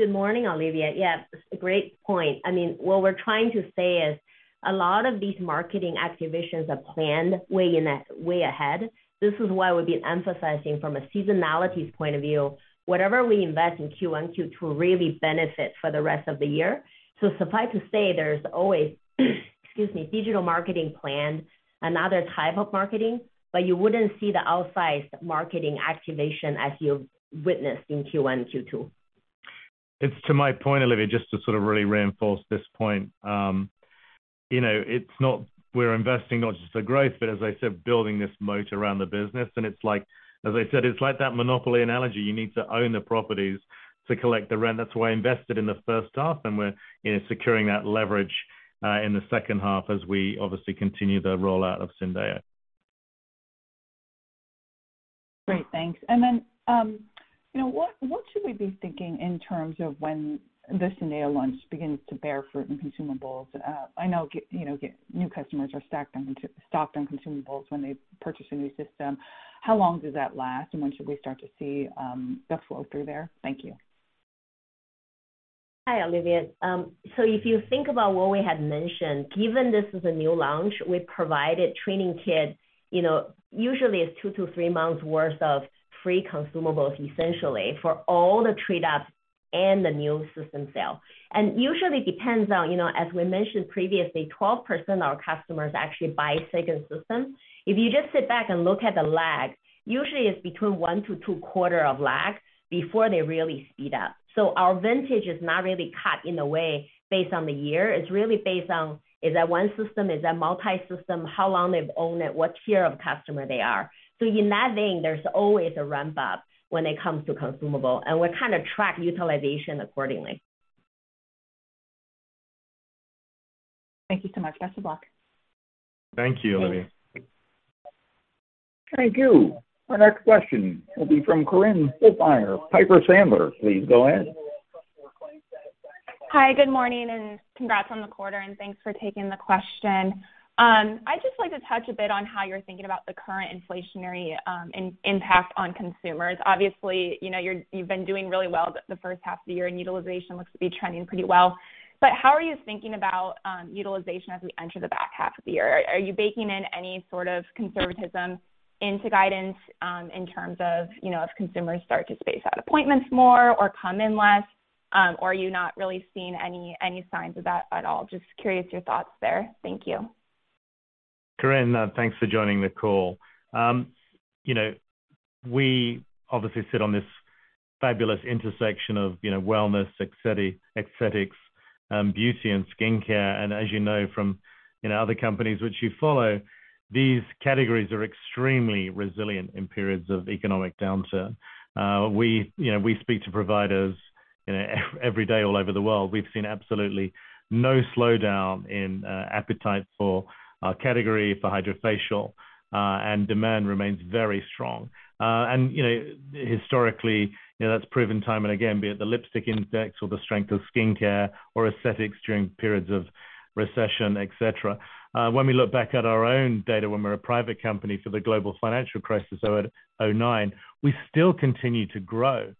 Good morning, Olivia. Yeah, great point. I mean, what we're trying to say is a lot of these marketing activations are planned way ahead. This is why we've been emphasizing from a seasonality's point of view, whatever we invest in Q1, Q2 really benefit for the rest of the year. Suffice to say, there's always, excuse me, digital marketing planned, another type of marketing, but you wouldn't see the outsized marketing activation as you've witnessed in Q1 and Q2. It's to my point, Olivia, just to sort of really reinforce this point. You know, it's not just we're investing for growth, but as I said, building this moat around the business. It's like that monopoly analogy. You need to own the properties to collect the rent. That's why I invested in the first half, and we're, you know, securing that leverage in the second half as we obviously continue the rollout of Syndeo. Great. Thanks. Then, you know, what should we be thinking in terms of when the Syndeo launch begins to bear fruit in consumables? I know, new customers are stocked on consumables when they purchase a new system. How long does that last, and when should we start to see the flow through there? Thank you. Hi, Olivia. If you think about what we had mentioned, given this is a new launch, we provided training kit, you know, usually it's 2-3 months worth of free consumables, essentially for all the trade ups and the new system sale. Usually depends on, you know, as we mentioned previously, 12% of our customers actually buy a second system. If you just sit back and look at the lag, usually it's between 1-2 quarters of lag before they really speed up. Our vintage is not really caught in the way based on the year. It's really based on, is that one system? Is that multi-system? How long they've owned it, what tier of customer they are. In that vein, there's always a ramp up when it comes to consumables, and we kind of track utilization accordingly. Thank you so much. Best of luck. Thank you, Olivia. Thank you. Our next question will be from Korinne Wolfmeyer, Piper Sandler. Please go ahead. Hi, good morning, and congrats on the quarter, and thanks for taking the question. I'd just like to touch a bit on how you're thinking about the current inflationary impact on consumers. Obviously, you know, you've been doing really well the first half of the year, and utilization looks to be trending pretty well. How are you thinking about utilization as we enter the back half of the year? Are you baking in any sort of conservatism into guidance in terms of, you know, if consumers start to space out appointments more or come in less? Are you not really seeing any signs of that at all? Just curious your thoughts there. Thank you. Korinne, thanks for joining the call. You know, we obviously sit on this fabulous intersection of, you know, wellness, aesthetics, beauty and skincare. As you know from, you know, other companies which you follow, these categories are extremely resilient in periods of economic downturn. You know, we speak to providers, you know, every day all over the world. We've seen absolutely no slowdown in appetite for our category, for HydraFacial, and demand remains very strong. You know, historically, you know, that's proven time and again, be it the lipstick index or the strength of skincare or aesthetics during periods of recession, et cetera. When we look back at our own data, when we're a private company for the global financial crisis of 2009, we still continued to grow,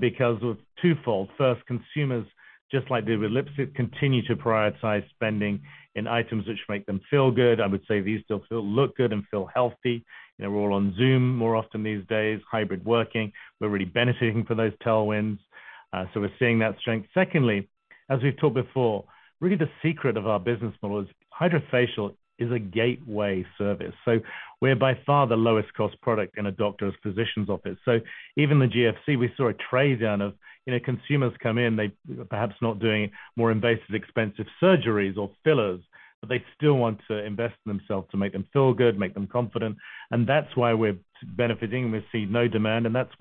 because of twofold. First, consumers, just like they do with lipstick, continue to prioritize spending in items which make them feel good. I would say these still feel and look good and feel healthy. You know, we're all on Zoom more often these days, hybrid working. We're really benefiting from those tailwinds. We're seeing that strength. Secondly, as we've talked before, really the secret of our business model is HydraFacial is a gateway service. We're by far the lowest cost product in a doctor's or physician's office. Even the GFC, we saw a trade down of consumers come in, they perhaps not doing more invasive, expensive surgeries or fillers, but they still want to invest in themselves to make them feel good, make them confident, and that's why we're benefiting. We see no demand, and that's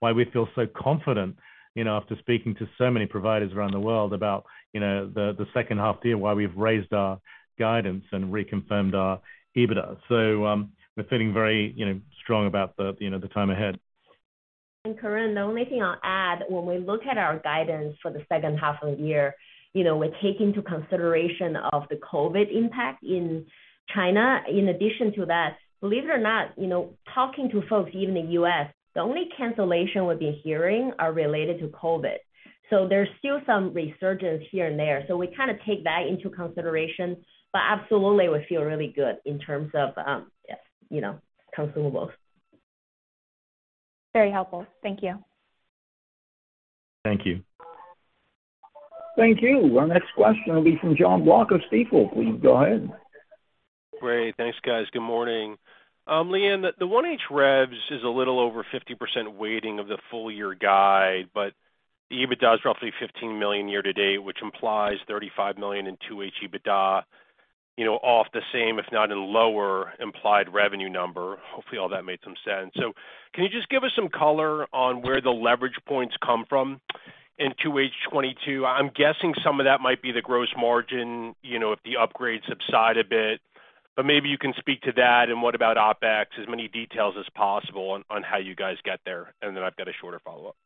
why we feel so confident, you know, after speaking to so many providers around the world about, you know, the second half of the year, why we've raised our guidance and reconfirmed our EBITDA. We're feeling very, you know, strong about the, you know, the time ahead. Corinne, the only thing I'll add, when we look at our guidance for the second half of the year, you know, we take into consideration of the COVID impact in China. In addition to that, believe it or not, you know, talking to folks even in the US, the only cancellation we've been hearing are related to COVID. So there's still some resurgence here and there. So we kinda take that into consideration, but absolutely we feel really good in terms of, you know, consumables. Very helpful. Thank you. Thank you. Thank you. Our next question will be from Jonathan Block of Stifel. Please go ahead. Great. Thanks, guys. Good morning. Liyuan, the 1H revs is a little over 50% weighting of the full year guide, but the EBITDA is roughly $15 million year to date, which implies $35 million in 2H EBITDA, you know, off the same if not or lower implied revenue number. Hopefully all that made some sense. Can you just give us some color on where the leverage points come from in 2H 2022? I'm guessing some of that might be the gross margin, you know, if the upgrades subside a bit. Maybe you can speak to that and what about OpEx, as many details as possible on how you guys get there. Then I've got a shorter follow-up.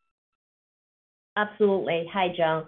Absolutely. Hi, John.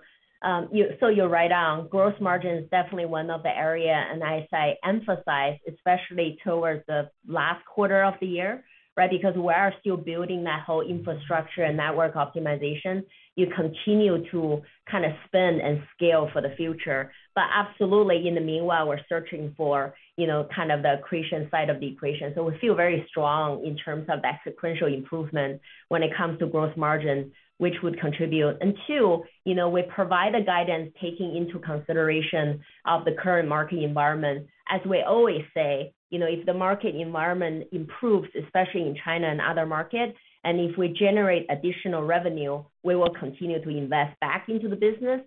So you're right on. Gross margin is definitely one of the areas, and as I emphasize, especially towards the last quarter of the year, right? Because we are still building that whole infrastructure and network optimization. You continue to kinda spend and scale for the future. Absolutely, in the meanwhile, we're searching for, you know, kind of the accretion side of the equation. So we feel very strong in terms of that sequential improvement when it comes to gross margins, which would contribute. Two, you know, we provide a guidance taking into consideration of the current market environment. As we always say, you know, if the market environment improves, especially in China and other markets, and if we generate additional revenue, we will continue to invest back into the business.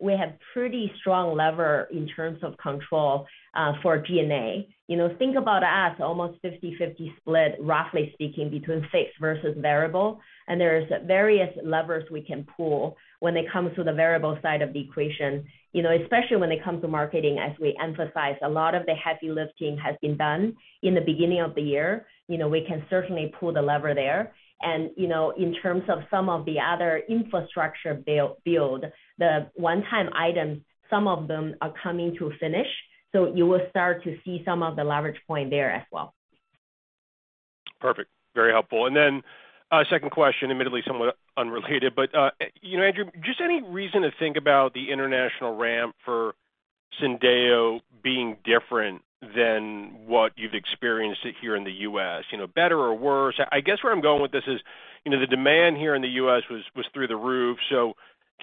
We have pretty strong levers in terms of control for G&A. You know, think about us almost 50/50 split, roughly speaking, between fixed versus variable, and there's various levers we can pull when it comes to the variable side of the equation. You know, especially when it comes to marketing, as we emphasize, a lot of the heavy lifting has been done in the beginning of the year. You know, we can certainly pull the lever there. You know, in terms of some of the other infrastructure build, the one-time items, some of them are coming to a finish. You will start to see some of the leverage point there as well. Perfect. Very helpful. Second question, admittedly somewhat unrelated, but, you know, Andrew, just any reason to think about the international ramp for Syndeo being different than what you've experienced it here in the US, you know, better or worse? I guess where I'm going with this is, you know, the demand here in the US was through the roof, so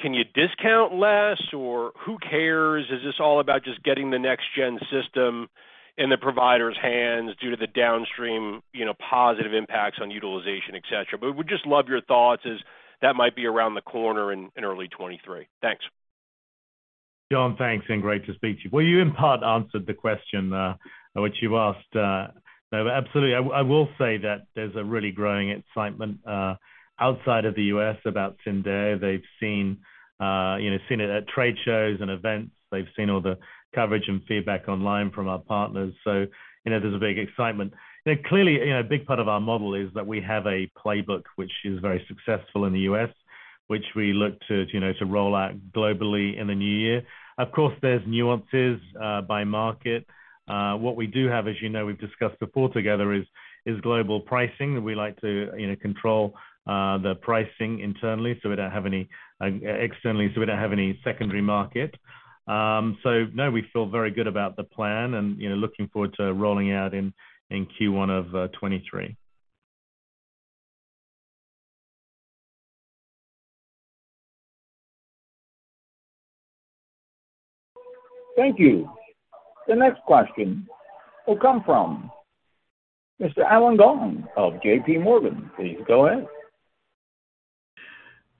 can you discount less, or who cares? Is this all about just getting the next gen system in the provider's hands due to the downstream, you know, positive impacts on utilization, et cetera? Would just love your thoughts as that might be around the corner in early 2023. Thanks. John, thanks, and great to speak to you. Well, you in part answered the question which you asked. No, absolutely. I will say that there's a really growing excitement outside of the US about Syndeo. They've seen, you know, seen it at trade shows and events. They've seen all the coverage and feedback online from our partners. So, you know, there's a big excitement. You know, clearly, you know, a big part of our model is that we have a playbook which is very successful in the US. Which we look to, you know, to roll out globally in the new year. Of course, there's nuances by market. What we do have, as you know, we've discussed before together, is global pricing. We like to, you know, control the pricing internally, so we don't have any externally, so we don't have any secondary market. So no, we feel very good about the plan and, you know, looking forward to rolling out in Q1 of 2023. Thank you. The next question will come from Mr. Allen Gong of J.P. Morgan. Please go ahead.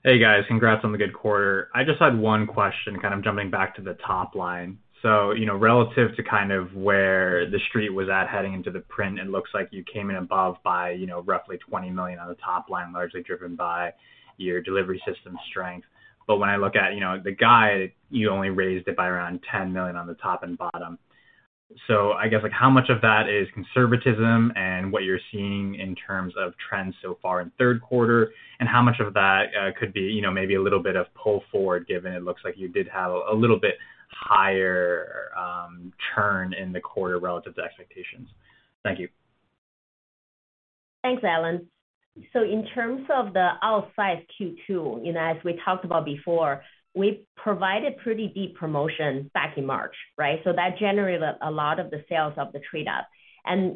Hey, guys. Congrats on the good quarter. I just had one question, kind of jumping back to the top line. You know, relative to kind of where the street was at heading into the print, it looks like you came in above by, you know, roughly $20 million on the top line, largely driven by your delivery system strength. When I look at, you know, the guide, you only raised it by around $10 million on the top and bottom. I guess, like how much of that is conservatism and what you're seeing in terms of trends so far in third quarter, and how much of that could be, you know, maybe a little bit of pull forward, given it looks like you did have a little bit higher churn in the quarter relative to expectations? Thank you. Thanks, Alan. In terms of the outsize Q2, you know, as we talked about before, we provided pretty deep promotions back in March, right? That generated a lot of the sales of the trade-up.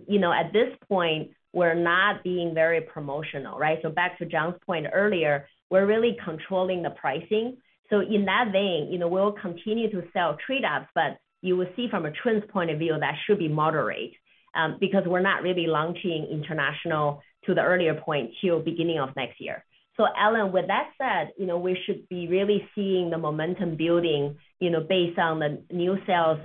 You know, at this point, we're not being very promotional, right? Back to John's point earlier, we're really controlling the pricing. In that vein, you know, we'll continue to sell trade-ups, but you will see from a trends point of view, that should be moderate, because we're not really launching international to the earlier point till beginning of next year. Alan, with that said, you know, we should be really seeing the momentum building, you know, based on the new sales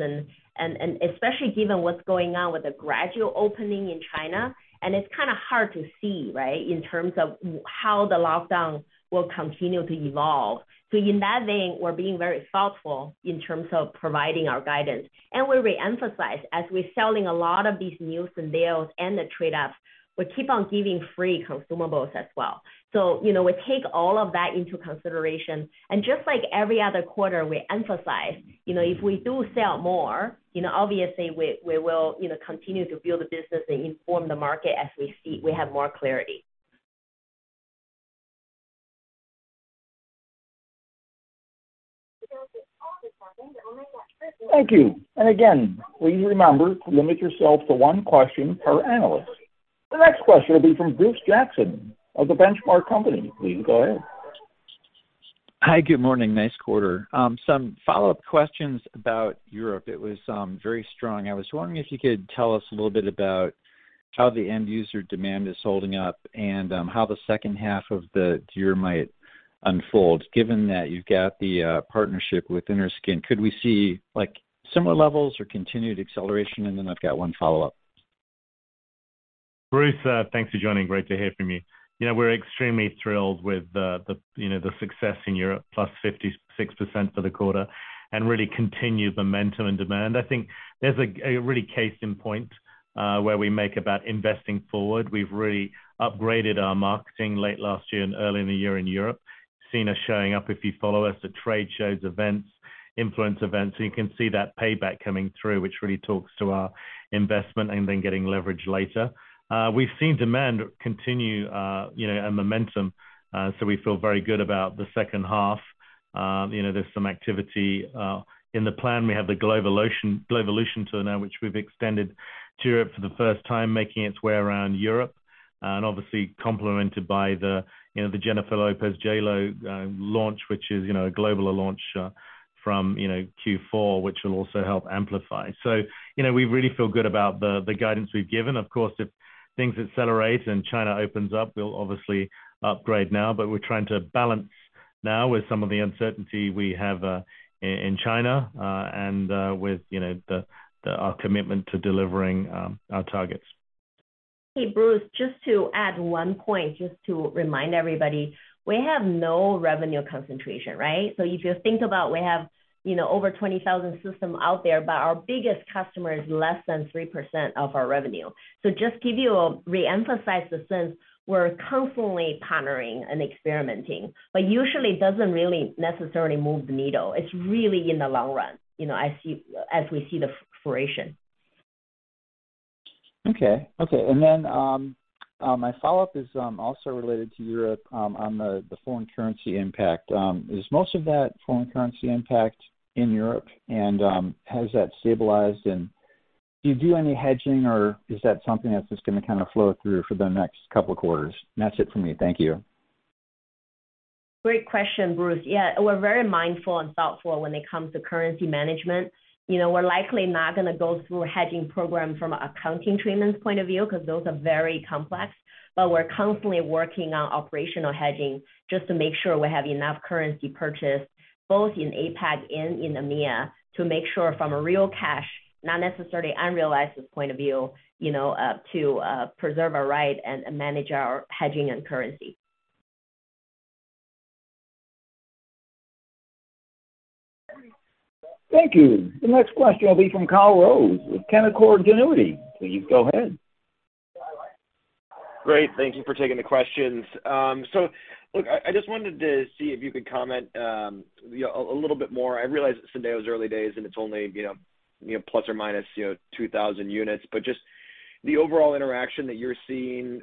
and especially given what's going on with the gradual opening in China. It's kinda hard to see, right, in terms of how the lockdown will continue to evolve. In that vein, we're being very thoughtful in terms of providing our guidance. We re-emphasize, as we're selling a lot of these new Syndeos and the trade-ups, we keep on giving free consumables as well. You know, we take all of that into consideration. Just like every other quarter, we emphasize, you know, if we do sell more, you know, obviously we will, you know, continue to build the business and inform the market as we see we have more clarity. Thank you. Again, please remember to limit yourself to one question per analyst. The next question will be from Bruce Jackson of The Benchmark Company. Please go ahead. Hi. Good morning. Nice qr. Some follow-up questions about Europe. It was very strong. I was wondering if you could tell us a little bit about how the end user demand is holding up and how the second half of the year might unfold, given that you've got the partnership with Innerskin. Could we see like, similar levels or continued acceleration? I've got one follow-up. Bruce, thanks for joining. Great to hear from you. You know, we're extremely thrilled with you know, the success in Europe, +56% for the quarter and really continued momentum and demand. I think there's a real case in point where we make the case about investing forward. We've really upgraded our marketing late last year and early in the year in Europe. You've seen us showing up, if you follow us at trade shows, events, influencer events. You can see that payback coming through, which really talks to our investment and then getting leverage later. We've seen demand continue, you know, and momentum, so we feel very good about the second half. You know, there's some activity in the plan. We have the GLOWvolution tour now, which we've extended to Europe for the first time, making its way around Europe, and obviously complemented by the, you know, the Jennifer Lopez JLo launch, which is, you know, a global launch from, you know, Q4, which will also help amplify. You know, we really feel good about the guidance we've given. Of course, if things accelerate and China opens up, we'll obviously upgrade now. We're trying to balance now with some of the uncertainty we have in China and with, you know, our commitment to delivering our targets. Hey, Bruce, just to add one point, just to remind everybody, we have no revenue concentration, right? If you think about, we have, you know, over 20,000 systems out there, but our biggest customer is less than 3% of our revenue. Re-emphasize the sense we're constantly partnering and experimenting, but usually it doesn't really necessarily move the needle. It's really in the long run, you know, as we see the fruition. Okay. My follow-up is also related to Europe, on the foreign currency impact. Is most of that foreign currency impact in Europe? Has that stabilized? Do you do any hedging, or is that something that's just gonna kinda flow through for the next couple of quarters? That's it for me. Thank you. Great question, Bruce. Yeah, we're very mindful and thoughtful when it comes to currency management. You know, we're likely not gonna go through a hedging program from an accounting treatment point of view, 'cause those are very complex. We're constantly working on operational hedging, just to make sure we have enough currency purchased, both in APAC and in EMEA, to make sure from a real cash, not necessarily unrealized point of view, you know, to preserve our rate and manage our hedging and currency. Thank you. The next question will be from Kyle Rose with Canaccord Genuity. Please go ahead. Great. Thank you for taking the questions. Look, I just wanted to see if you could comment, you know, a little bit more. I realize that Syndeo's early days, and it's only, you know, plus or minus 2,000 units, but just the overall interaction that you're seeing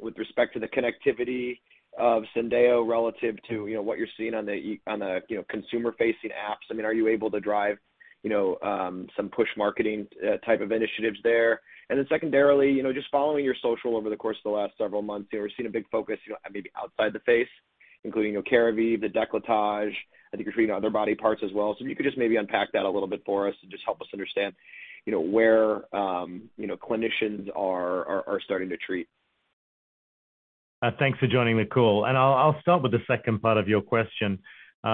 with respect to the connectivity of Syndeo relative to what you're seeing on the consumer-facing apps. I mean, are you able to drive, you know, some push marketing type of initiatives there? Secondarily, you know, just following your social over the course of the last several months, you know, we're seeing a big focus, you know, maybe outside the face, including Keravive, the décolletage. I think you're treating other body parts as well. If you could just maybe unpack that a little bit for us and just help us understand, you know, where clinicians are starting to treat? Thanks for joining the call. I'll start with the second part of your question,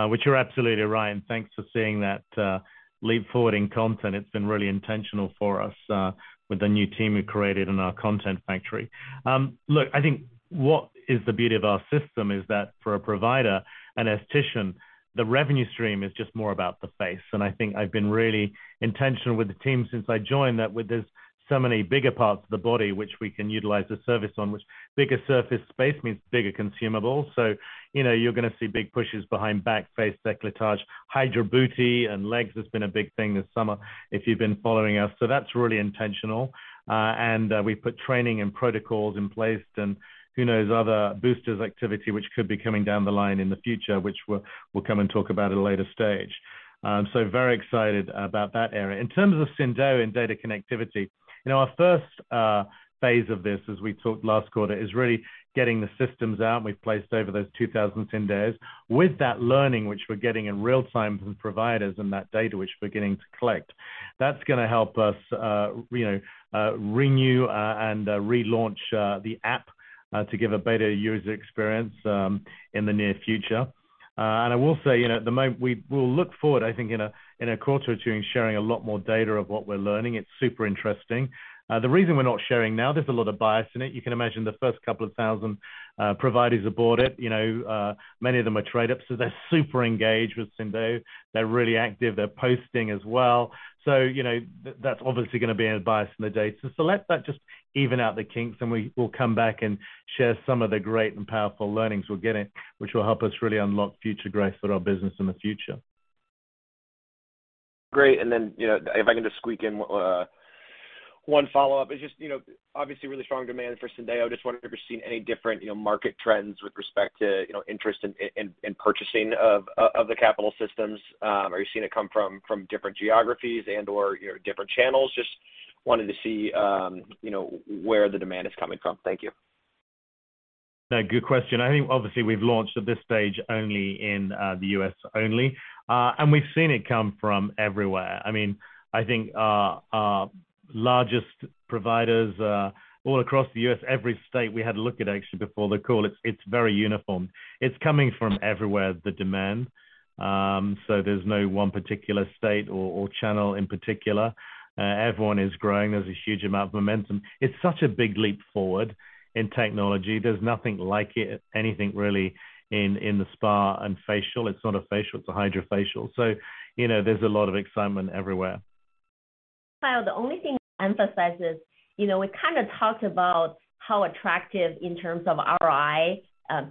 which you're absolutely right. Thanks for seeing that, leap forward in content. It's been really intentional for us, with the new team we created in our content factory. Look, I think what is the beauty of our system is that for a provider and esthetician, the revenue stream is just more about the face. I think I've been really intentional with the team since I joined that with this so many bigger parts of the body which we can utilize the service on, which bigger surface space means bigger consumables. You know, you're gonna see big pushes behind back face, décolletage, HydraBooty and legs has been a big thing this summer, if you've been following us. That's really intentional. We put training and protocols in place and who knows, other boosters activity which could be coming down the line in the future, which we'll come and talk about at a later stage. Very excited about that area. In terms of Syndeo and data connectivity, you know, our first phase of this, as we talked last quarter, is really getting the systems out, and we've placed over 2,000 Syndeos. With that learning, which we're getting in real time from providers and that data which we're getting to collect, that's gonna help us, you know, renew and relaunch the app to give a better user experience in the near future. I will say, you know, at the moment we will look forward, I think in a quarter or two, in sharing a lot more data of what we're learning. It's super interesting. The reason we're not sharing now, there's a lot of bias in it. You can imagine the first 2,000 providers aboard it, you know, many of them are trade ups, so they're super engaged with Syndeo. They're really active. They're posting as well. So, you know, that's obviously gonna be a bias in the data. So let that just even out the kinks, and we'll come back and share some of the great and powerful learnings we're getting, which will help us really unlock future growth for our business in the future. Great. You know, if I can just squeak in one follow-up. It's just, you know, obviously really strong demand for Syndeo. Just wondering if you're seeing any different, you know, market trends with respect to, you know, interest in purchasing of the capital systems. Are you seeing it come from different geographies and/or, you know, different channels? Just wanted to see, you know, where the demand is coming from. Thank you. No, good question. I think obviously we've launched at this stage only in the U.S. only. We've seen it come from everywhere. I mean, I think our largest providers all across the U.S., every state we had a look at actually before the call, it's very uniform. It's coming from everywhere, the demand. There's no one particular state or channel in particular. Everyone is growing. There's a huge amount of momentum. It's such a big leap forward in technology. There's nothing like it, anything really in the spa and facial. It's not a facial, it's a HydraFacial. You know, there's a lot of excitement everywhere. Kyle, the only thing I emphasize is, you know, we kinda talked about how attractive in terms of ROI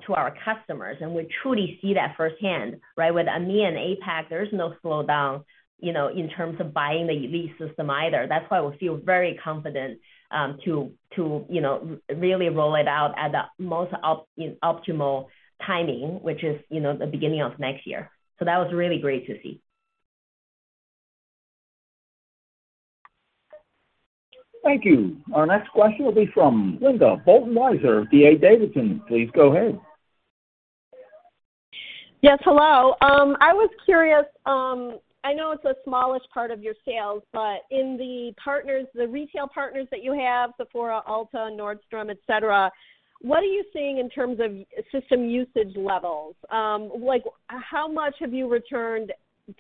to our customers, and we truly see that firsthand, right? With EMEA and APAC, there's no slowdown, you know, in terms of buying the lease system either. That's why we feel very confident to you know really roll it out at the most optimal timing, which is, you know, the beginning of next year. That was really great to see. Thank you. Our next question will be from Linda Bolton Weiser of D.A. Davidson. Please go ahead. Yes, hello. I was curious, I know it's the smallest part of your sales, but in the partners, the retail partners that you have, Sephora, Ulta, Nordstrom, et cetera, what are you seeing in terms of system usage levels? Like how much have you returned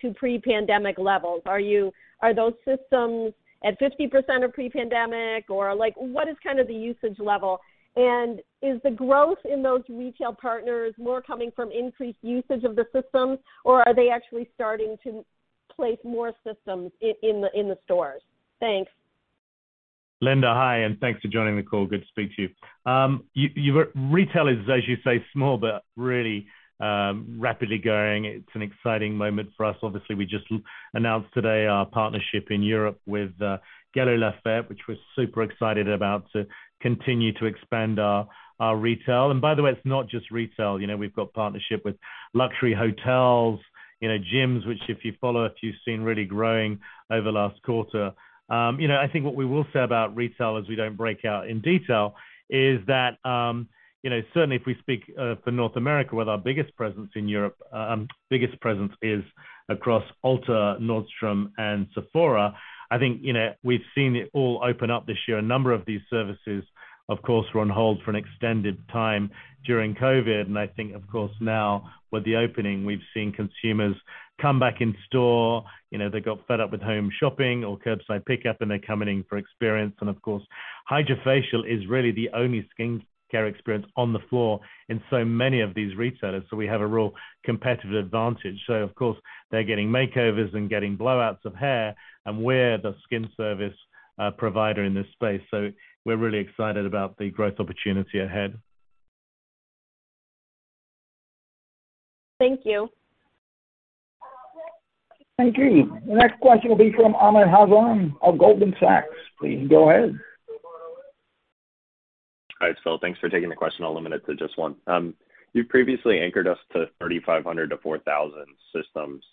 to pre-pandemic levels? Are those systems at 50% of pre-pandemic or like what is kind of the usage level? And is the growth in those retail partners more coming from increased usage of the systems, or are they actually starting to place more systems in the stores? Thanks. Linda, hi, and thanks for joining the call. Good to speak to you. Retail is, as you say, small, but really, rapidly growing. It's an exciting moment for us. Obviously, we just announced today our partnership in Europe with Galeries Lafayette, which we're super excited about to continue to expand our retail. By the way, it's not just retail. You know, we've got partnership with luxury hotels, you know, gyms, which if you follow, if you've seen really growing over the last quarter. You know, I think what we will say about retail is we don't break out in detail, is that, you know, certainly if we speak for North America with our biggest presence in Europe, biggest presence is across Ulta, Nordstrom, and Sephora. I think, you know, we've seen it all open up this year. A number of these services, of course, were on hold for an extended time during COVID. I think, of course, now with the opening, we've seen consumers come back in store. You know, they got fed up with home shopping or curbside pickup, and they're coming in for experience. Of course, HydraFacial is really the only skincare experience on the floor in so many of these retailers. We have a real competitive advantage. Of course, they're getting makeovers and getting blowouts of hair, and we're the skin service provider in this space. We're really excited about the growth opportunity ahead. Thank you. Thank you. The next question will be from Amit Hazan of Goldman Sachs. Please go ahead. All right. Phil, thanks for taking the question. I'll limit it to just one. You previously anchored us to 3,500-4,000 systems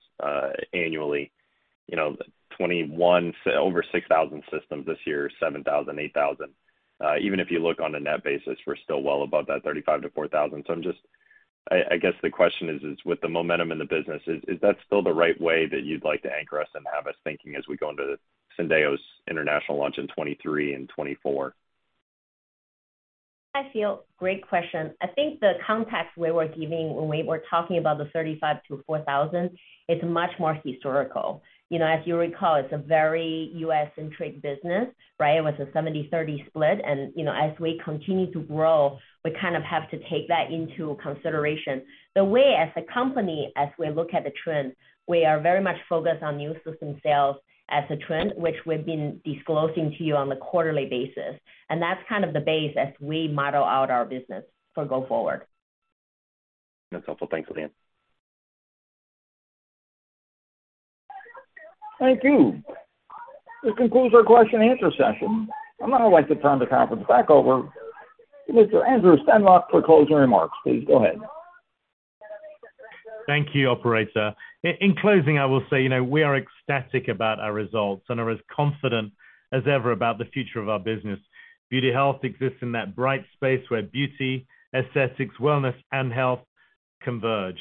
annually. You know, 2021 over 6,000 systems this year, 7,000, 8,000. Even if you look on a net basis, we're still well above that 3,500-4,000. I'm just, I guess the question is, with the momentum in the business, is that still the right way that you'd like to anchor us and have us thinking as we go into Syndeo's international launch in 2023 and 2024? Hi, Amit. Great question. I think the context we were giving when we were talking about the 35-4,000, it's much more historical. You know, as you recall, it's a very U.S.-centric business, right? With a 70-30 split. You know, as we continue to grow, we kind of have to take that into consideration. The way as a company, as we look at the trend, we are very much focused on new system sales as a trend, which we've been disclosing to you on a quarterly basis, and that's kind of the base as we model out our business going forward. That's helpful. Thanks again. Thank you. This concludes our question-answer session. I'd now like to turn the conference back over to Mr. Andrew Stanleick for closing remarks. Please go ahead. Thank you, operator. In closing, I will say, you know, we are ecstatic about our results and are as confident as ever about the future of our business. Beauty Health exists in that bright space where beauty, aesthetics, wellness, and health converge.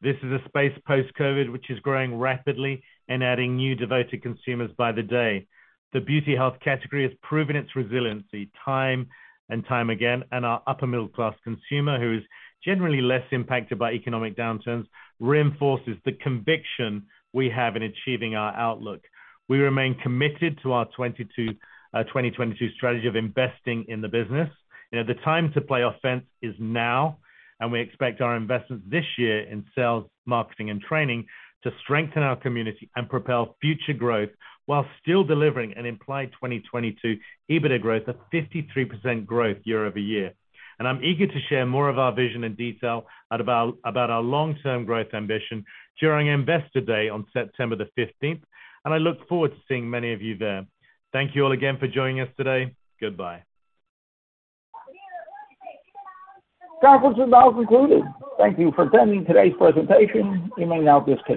This is a space post-COVID, which is growing rapidly and adding new devoted consumers by the day. The Beauty Health category has proven its resiliency time and time again, and our upper-middle-class consumer, who is generally less impacted by economic downturns, reinforces the conviction we have in achieving our outlook. We remain committed to our 2022 strategy of investing in the business. You know, the time to play offense is now, and we expect our investments this year in sales, marketing, and training to strengthen our community and propel future growth while still delivering an implied 2022 EBITDA growth of 53% year-over-year. I'm eager to share more of our vision and details about our long-term growth ambition during Investor Day on September 15th, and I look forward to seeing many of you there. Thank you all again for joining us today. Goodbye. Conference is now concluded. Thank you for attending today's presentation. You may now disconnect.